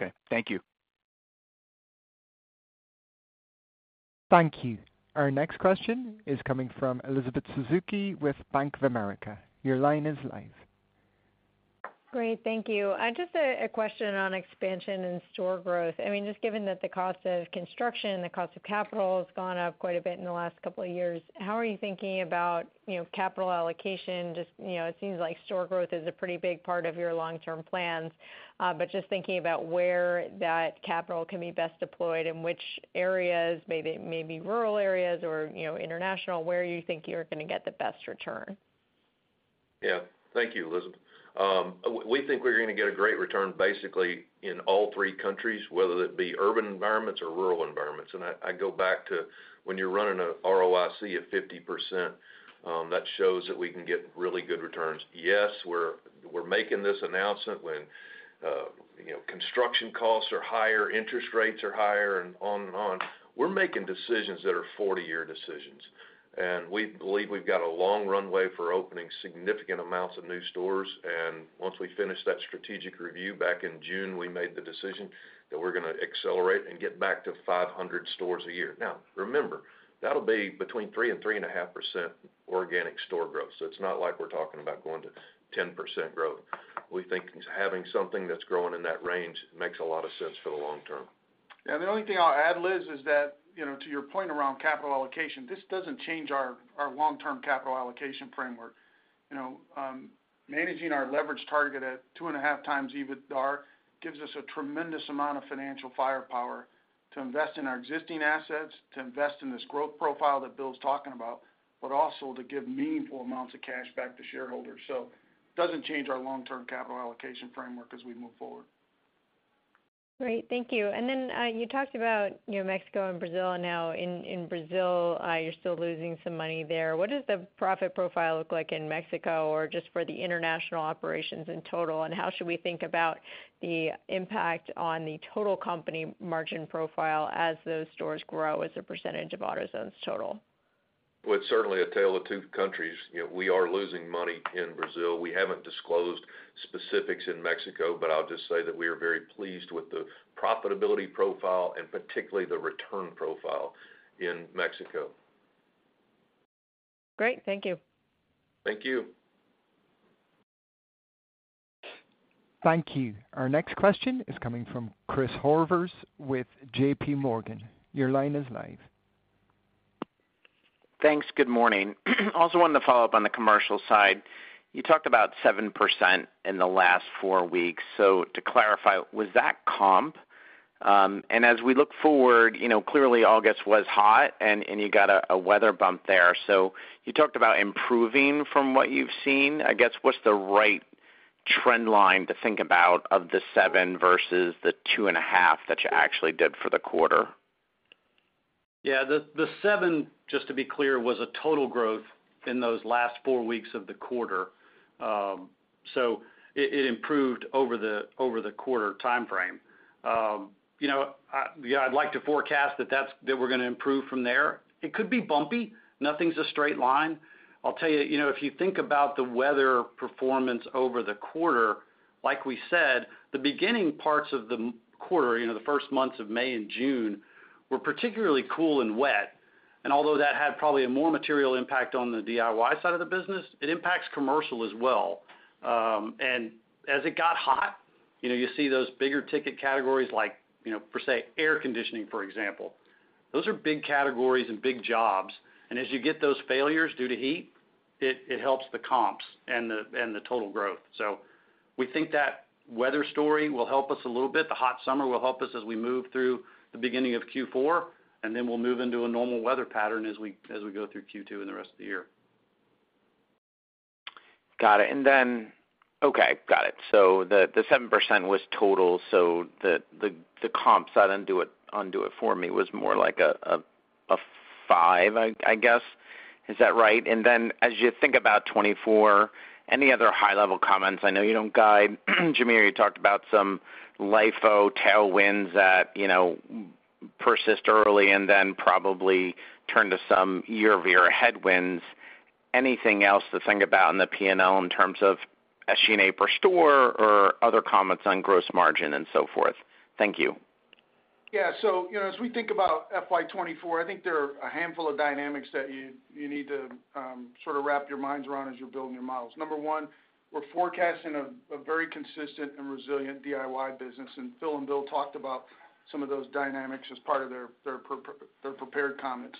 Okay, thank you. Thank you. Our next question is coming from Elizabeth Suzuki with Bank of America. Your line is live. Great. Thank you. Just a question on expansion and store growth. I mean, just given that the cost of construction, the cost of capital has gone up quite a bit in the last couple of years, how are you thinking about, you know, capital allocation? Just, you know, it seems like store growth is a pretty big part of your long-term plans. But just thinking about where that capital can be best deployed, in which areas, maybe rural areas or, you know, international, where you think you're gonna get the best return? Yeah. Thank you, Elizabeth. We think we're gonna get a great return basically in all three countries, whether it be urban environments or rural environments. I go back to when you're running a ROIC of 50%, that shows that we can get really good returns. Yes, we're making this announcement when you know, construction costs are higher, interest rates are higher, and on and on. We're making decisions that are 40-year decisions, and we believe we've got a long runway for opening significant amounts of new stores. Once we finished that strategic review back in June, we made the decision that we're gonna accelerate and get back to 500 stores a year. Now, remember, that'll be between 3% and 3.5% organic store growth, so it's not like we're talking about going to 10% growth. We think having something that's growing in that range makes a lot of sense for the long term. Yeah, the only thing I'll add, Liz, is that, you know, to your point around capital allocation, this doesn't change our long-term capital allocation framework. You know, managing our leverage target at 2.5x EBITDAR gives us a tremendous amount of financial firepower to invest in our existing assets, to invest in this growth profile that Bill's talking about, but also to give meaningful amounts of cash back to shareholders. So doesn't change our long-term capital allocation framework as we move forward. Great. Thank you. And then, you talked about, you know, Mexico and Brazil. Now, in Brazil, you're still losing some money there. What does the profit profile look like in Mexico, or just for the international operations in total, and how should we think about the impact on the total company margin profile as those stores grow as a percentage of AutoZone's total? Well, it's certainly a tale of two countries. You know, we are losing money in Brazil. We haven't disclosed specifics in Mexico, but I'll just say that we are very pleased with the profitability profile, and particularly the return profile in Mexico. Great. Thank you. Thank you. Thank you. Our next question is coming from Chris Horvers with JPMorgan. Your line is live. Thanks. Good morning. Also wanted to follow up on the commercial side. You talked about 7% in the last four weeks. So to clarify, was that comp? And as we look forward, you know, clearly, August was hot, and you got a weather bump there. So you talked about improving from what you've seen. I guess, what's the right trend line to think about of the 7% versus the 2.5x that you actually did for the quarter? Yeah, the seven, just to be clear, was a total growth in those last four weeks of the quarter. So it improved over the quarter timeframe. You know, yeah, I'd like to forecast that we're gonna improve from there. It could be bumpy. Nothing's a straight line. I'll tell you, you know, if you think about the weather performance over the quarter, like we said, the beginning parts of the quarter, you know, the first months of May and June, were particularly cool and wet. Although that had probably a more material impact on the DIY side of the business, it impacts commercial as well. And as it got hot, you know, you see those bigger ticket categories like, you know, per se, air conditioning, for example. Those are big categories and big jobs, and as you get those failures due to heat, it helps the comps and the total growth. So we think that weather story will help us a little bit. The hot summer will help us as we move through the beginning of Q4, and then we'll move into a normal weather pattern as we go through Q2 and the rest of the year. Got it. Okay, got it. So the 7% was total, so the comps—undo it for me—was more like a 5%, I guess. Is that right? As you think about 2024, any other high-level comments? I know you don't guide. Jamie, you talked about some LIFO tailwinds that, you know, persist early and then probably turn to some year-over-year headwinds. Anything else to think about in the P&L in terms of sales per store or other comments on gross margin and so forth? Thank you. Yeah. So, you know, as we think about FY 2024, I think there are a handful of dynamics that you need to sort of wrap your minds around as you're building your models. Number one, we're forecasting a very consistent and resilient DIY business, and Phil and Bill talked about some of those dynamics as part of their prepared comments.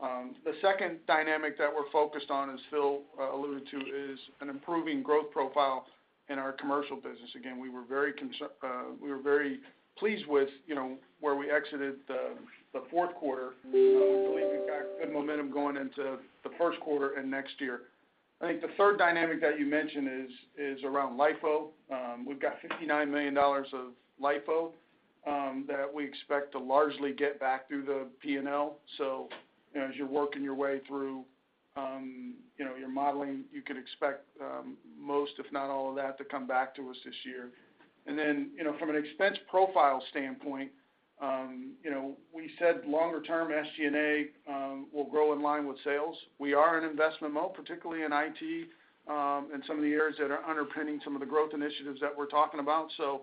The second dynamic that we're focused on, as Phil alluded to, is an improving growth profile in our commercial business. Again, we were very pleased with, you know, where we exited the fourth quarter. We believe we've got good momentum going into the first quarter and next year. I think the third dynamic that you mentioned is around LIFO. We've got $59 million of LIFO that we expect to largely get back through the PNL. You know, as you're working your way through your modeling, you can expect most, if not all of that, to come back to us this year. From an expense profile standpoint, you know, we said longer term, SG&A will grow in line with sales. We are an investment moat, particularly in IT, and some of the areas that are underpinning some of the growth initiatives that we're talking about. You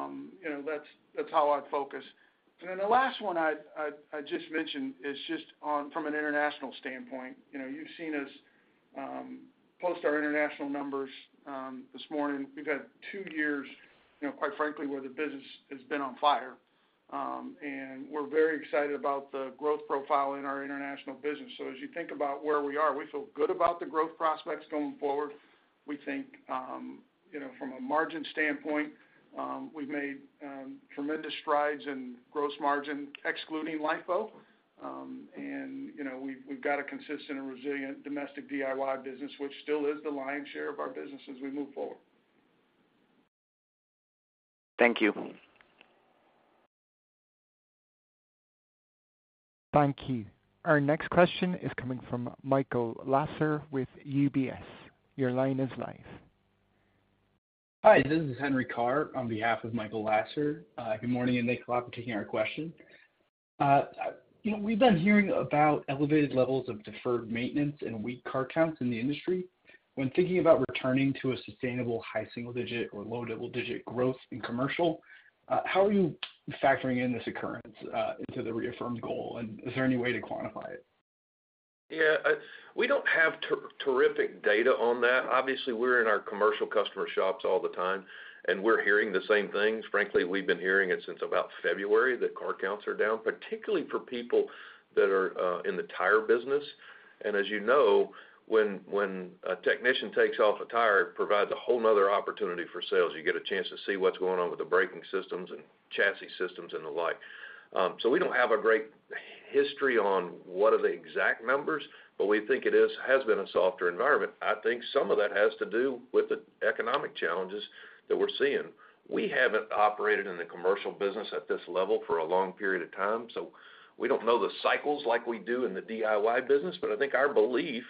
know, that's how I'd focus. The last one I just mentioned is just on from an international standpoint. You know, you've seen us post our international numbers this morning. We've had two years, you know, quite frankly, where the business has been on fire. And we're very excited about the growth profile in our international business. So as you think about where we are, we feel good about the growth prospects going forward. We think, you know, from a margin standpoint, we've made tremendous strides in gross margin, excluding LIFO. And, you know, we've got a consistent and resilient domestic DIY business, which still is the lion's share of our business as we move forward. Thank you. Thank you. Our next question is coming from Michael Lasser with UBS. Your line is live. Hi, this is Henry Carr, on behalf of Michael Lasser. Good morning, and thanks a lot for taking our question. You know, we've been hearing about elevated levels of deferred maintenance and weak car counts in the industry. When thinking about returning to a sustainable high single digit or low double digit growth in commercial, how are you factoring in this occurrence into the reaffirmed goal? And is there any way to quantify it? Yeah, we don't have terrific data on that. Obviously, we're in our commercial customer shops all the time, and we're hearing the same things. Frankly, we've been hearing it since about February, that car counts are down, particularly for people that are in the tire business. And as you know, when a technician takes off a tire, it provides a whole another opportunity for sales. You get a chance to see what's going on with the braking systems and chassis systems and the like. So we don't have a great history on what are the exact numbers, but we think it has been a softer environment. I think some of that has to do with the economic challenges that we're seeing. We haven't operated in the commercial business at this level for a long period of time, so we don't know the cycles like we do in the DIY business. But I think our belief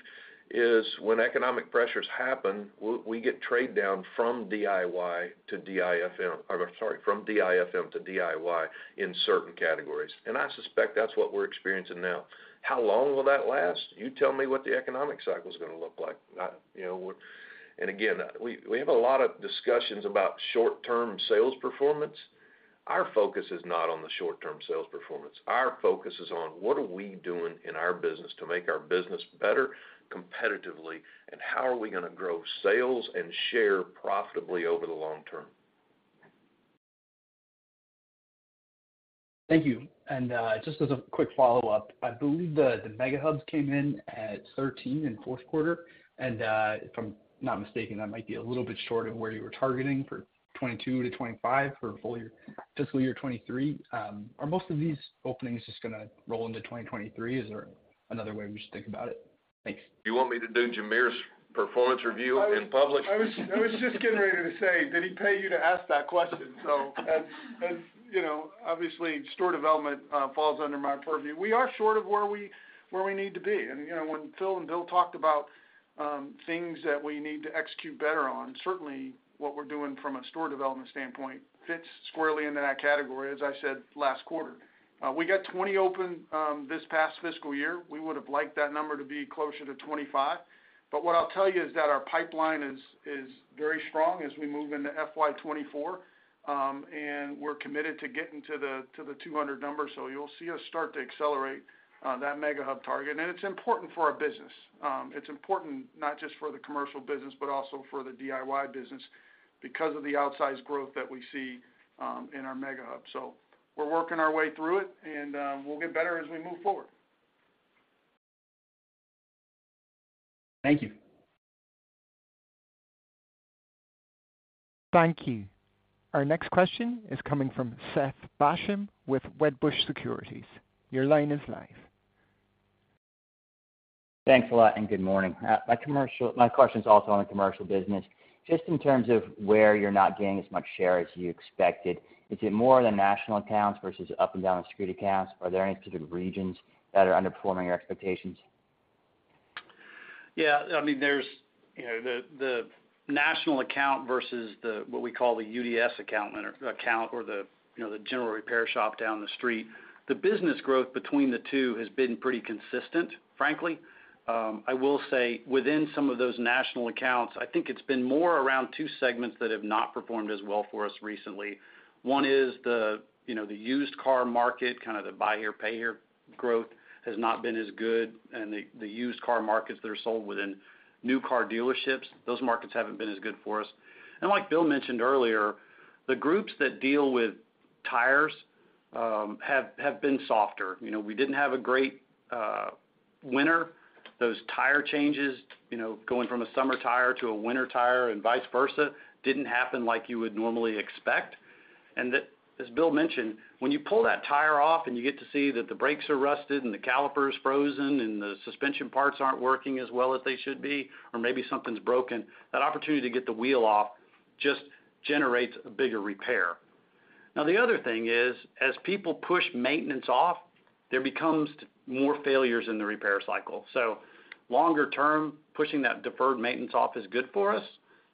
is when economic pressures happen, we, we get trade down from DIY to DIFM—or I'm sorry, from DIFM to DIY in certain categories. And I suspect that's what we're experiencing now. How long will that last? You tell me what the economic cycle is gonna look like. I, you know, and again, we, we have a lot of discussions about short-term sales performance. Our focus is not on the short-term sales performance. Our focus is on what are we doing in our business to make our business better competitively, and how are we gonna grow sales and share profitably over the long term? Thank you. And, just as a quick follow-up, I believe the MegaHubs came in at 13 in fourth quarter, and, if I'm not mistaken, that might be a little bit short of where you were targeting for 22-25 for full year, fiscal year 2023. Are most of these openings just gonna roll into 2023? Is there another way we should think about it? Thanks. You want me to do Jamere's performance review in public? I was just getting ready to say, did he pay you to ask that question? As you know, obviously, store development falls under my purview. We are short of where we need to be. And, you know, when Phil and Bill talked about things that we need to execute better on, certainly what we're doing from a store development standpoint fits squarely into that category, as I said last quarter. We got 20 open this past fiscal year. We would have liked that number to be closer to 25. What I'll tell you is that our pipeline is very strong as we move into FY 2024, and we're committed to getting to the 200 numbers. You'll see us start to accelerate that MegaHub target. It's important for our business. It's important not just for the commercial business, but also for the DIY business because of the outsized growth that we see in our MegaHub. So we're working our way through it, and we'll get better as we move forward. Thank you. Thank you. Our next question is coming from Seth Basham with Wedbush Securities. Your line is live. Thanks a lot, and good morning. My question is also on the commercial business. Just in terms of where you're not gaining as much share as you expected, is it more the national accounts versus up-and-down street accounts? Are there any specific regions that are underperforming your expectations? Yeah, I mean, there's, you know, the national account versus the, what we call the UDS account or the, you know, the general repair shop down the street. The business growth between the two has been pretty consistent, frankly. I will say within some of those national accounts, I think it's been more around two segments that have not performed as well for us recently. One is the, you know, the used car market, kind of the buy here, pay here growth has not been as good, and the used car markets that are sold within new car dealerships, those markets haven't been as good for us. And like Bill mentioned earlier, the groups that deal with tires have been softer. You know, we didn't have a great winter. Those tire changes, you know, going from a summer tire to a winter tire and vice versa, didn't happen like you would normally expect. And that, as Bill mentioned, when you pull that tire off and you get to see that the brakes are rusted and the caliper is frozen, and the suspension parts aren't working as well as they should be, or maybe something's broken, that opportunity to get the wheel off just generates a bigger repair. Now, the other thing is, as people push maintenance off-... there becomes more failures in the repair cycle. So longer term, pushing that deferred maintenance off is good for us,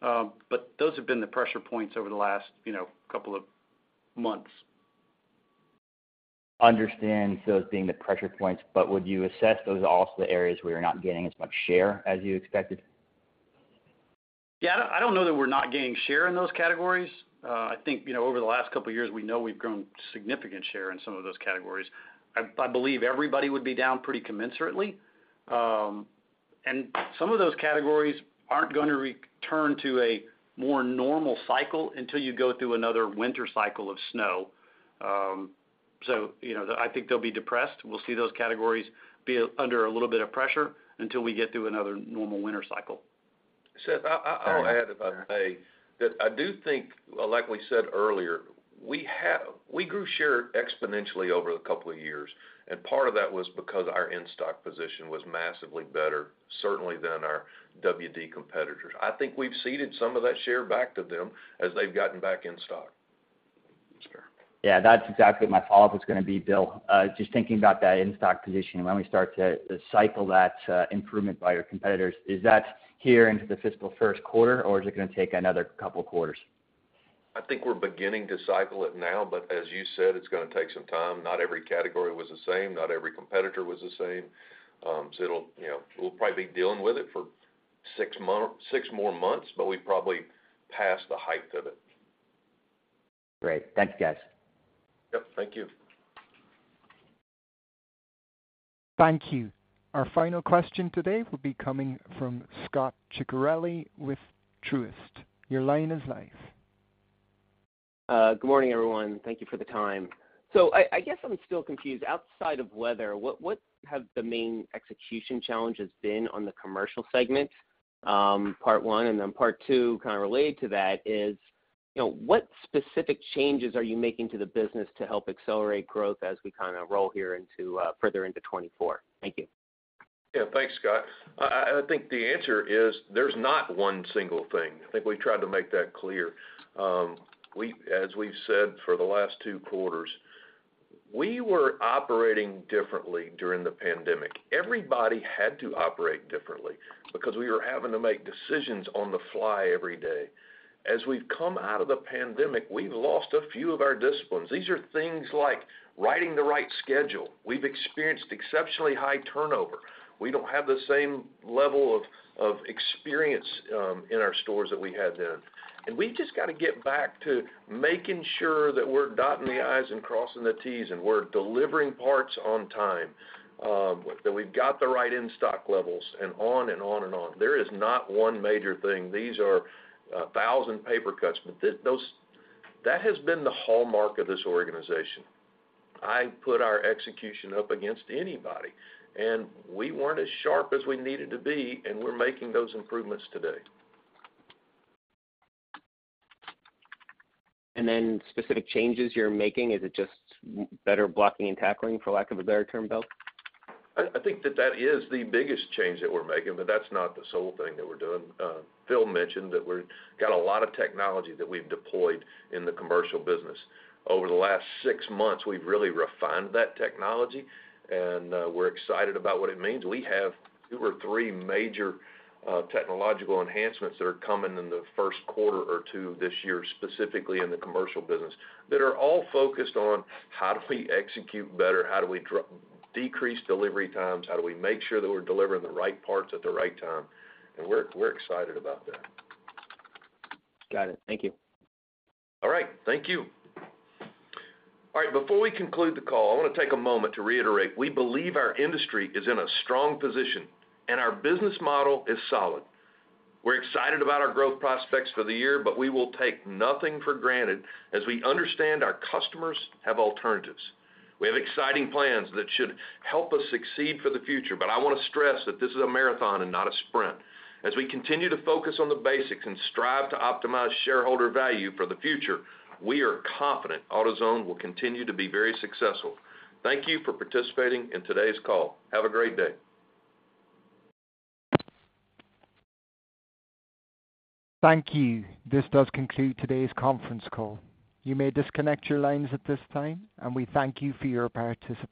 but those have been the pressure points over the last, you know, couple of months. Understand those being the pressure points, but would you assess those are also the areas where you're not getting as much share as you expected? Yeah, I don't know that we're not gaining share in those categories. I think, you know, over the last couple of years, we know we've grown significant share in some of those categories. I believe everybody would be down pretty commensurately. And some of those categories aren't gonna return to a more normal cycle until you go through another winter cycle of snow. So, you know, I think they'll be depressed. We'll see those categories be under a little bit of pressure until we get through another normal winter cycle. Seth, I Go ahead. I'll add, if I may, that I do think, like we said earlier, we grew share exponentially over a couple of years, and part of that was because our in-stock position was massively better, certainly than our WD competitors. I think we've seeded some of that share back to them as they've gotten back in stock. Yeah, that's exactly my follow-up was gonna be, Bill. Just thinking about that in-stock position, when we start to cycle that improvement by your competitors, is that here into the fiscal first quarter, or is it gonna take another couple of quarters? I think we're beginning to cycle it now, but as you said, it's gonna take some time. Not every category was the same, not every competitor was the same. So it'll, you know, we'll probably be dealing with it for six more months, but we've probably passed the height of it. Great. Thank you, guys. Yep, thank you. Thank you. Our final question today will be coming from Scot Ciccarelli with Truist. Your line is live. Good morning, everyone. Thank you for the time. So I, I guess I'm still confused. Outside of weather, what, what have the main execution challenges been on the commercial segment? Part one, and then part two, kind of related to that, is, you know, what specific changes are you making to the business to help accelerate growth as we kind of roll here into further into 2024? Thank you. Yeah. Thanks, Scot. I think the answer is, there's not one single thing. I think we've tried to make that clear. We, as we've said for the last two quarters, we were operating differently during the pandemic. Everybody had to operate differently because we were having to make decisions on the fly every day. As we've come out of the pandemic, we've lost a few of our disciplines. These are things like writing the right schedule. We've experienced exceptionally high turnover. We don't have the same level of experience in our stores that we had then. And we just got to get back to making sure that we're dotting the I's and crossing the T's, and we're delivering parts on time, that we've got the right in-stock levels and on and on and on. There is not one major thing. These are a thousand paper cuts, but those... That has been the hallmark of this organization. I put our execution up against anybody, and we weren't as sharp as we needed to be, and we're making those improvements today. And then specific changes you're making, is it just better blocking and tackling, for lack of a better term, Bill? I think that that is the biggest change that we're making, but that's not the sole thing that we're doing. Phil mentioned that we've got a lot of technology that we've deployed in the commercial business. Over the last six months, we've really refined that technology, and we're excited about what it means. We have two or three major technological enhancements that are coming in the first quarter or two this year, specifically in the commercial business, that are all focused on: how do we execute better? How do we decrease delivery times? How do we make sure that we're delivering the right parts at the right time? And we're excited about that. Got it. Thank you. All right. Thank you. All right, before we conclude the call, I wanna take a moment to reiterate, we believe our industry is in a strong position, and our business model is solid. We're excited about our growth prospects for the year, but we will take nothing for granted, as we understand our customers have alternatives. We have exciting plans that should help us succeed for the future, but I wanna stress that this is a marathon and not a sprint. As we continue to focus on the basics and strive to optimize shareholder value for the future, we are confident AutoZone will continue to be very successful. Thank you for participating in today's call. Have a great day. Thank you. This does conclude today's conference call. You may disconnect your lines at this time, and we thank you for your participation.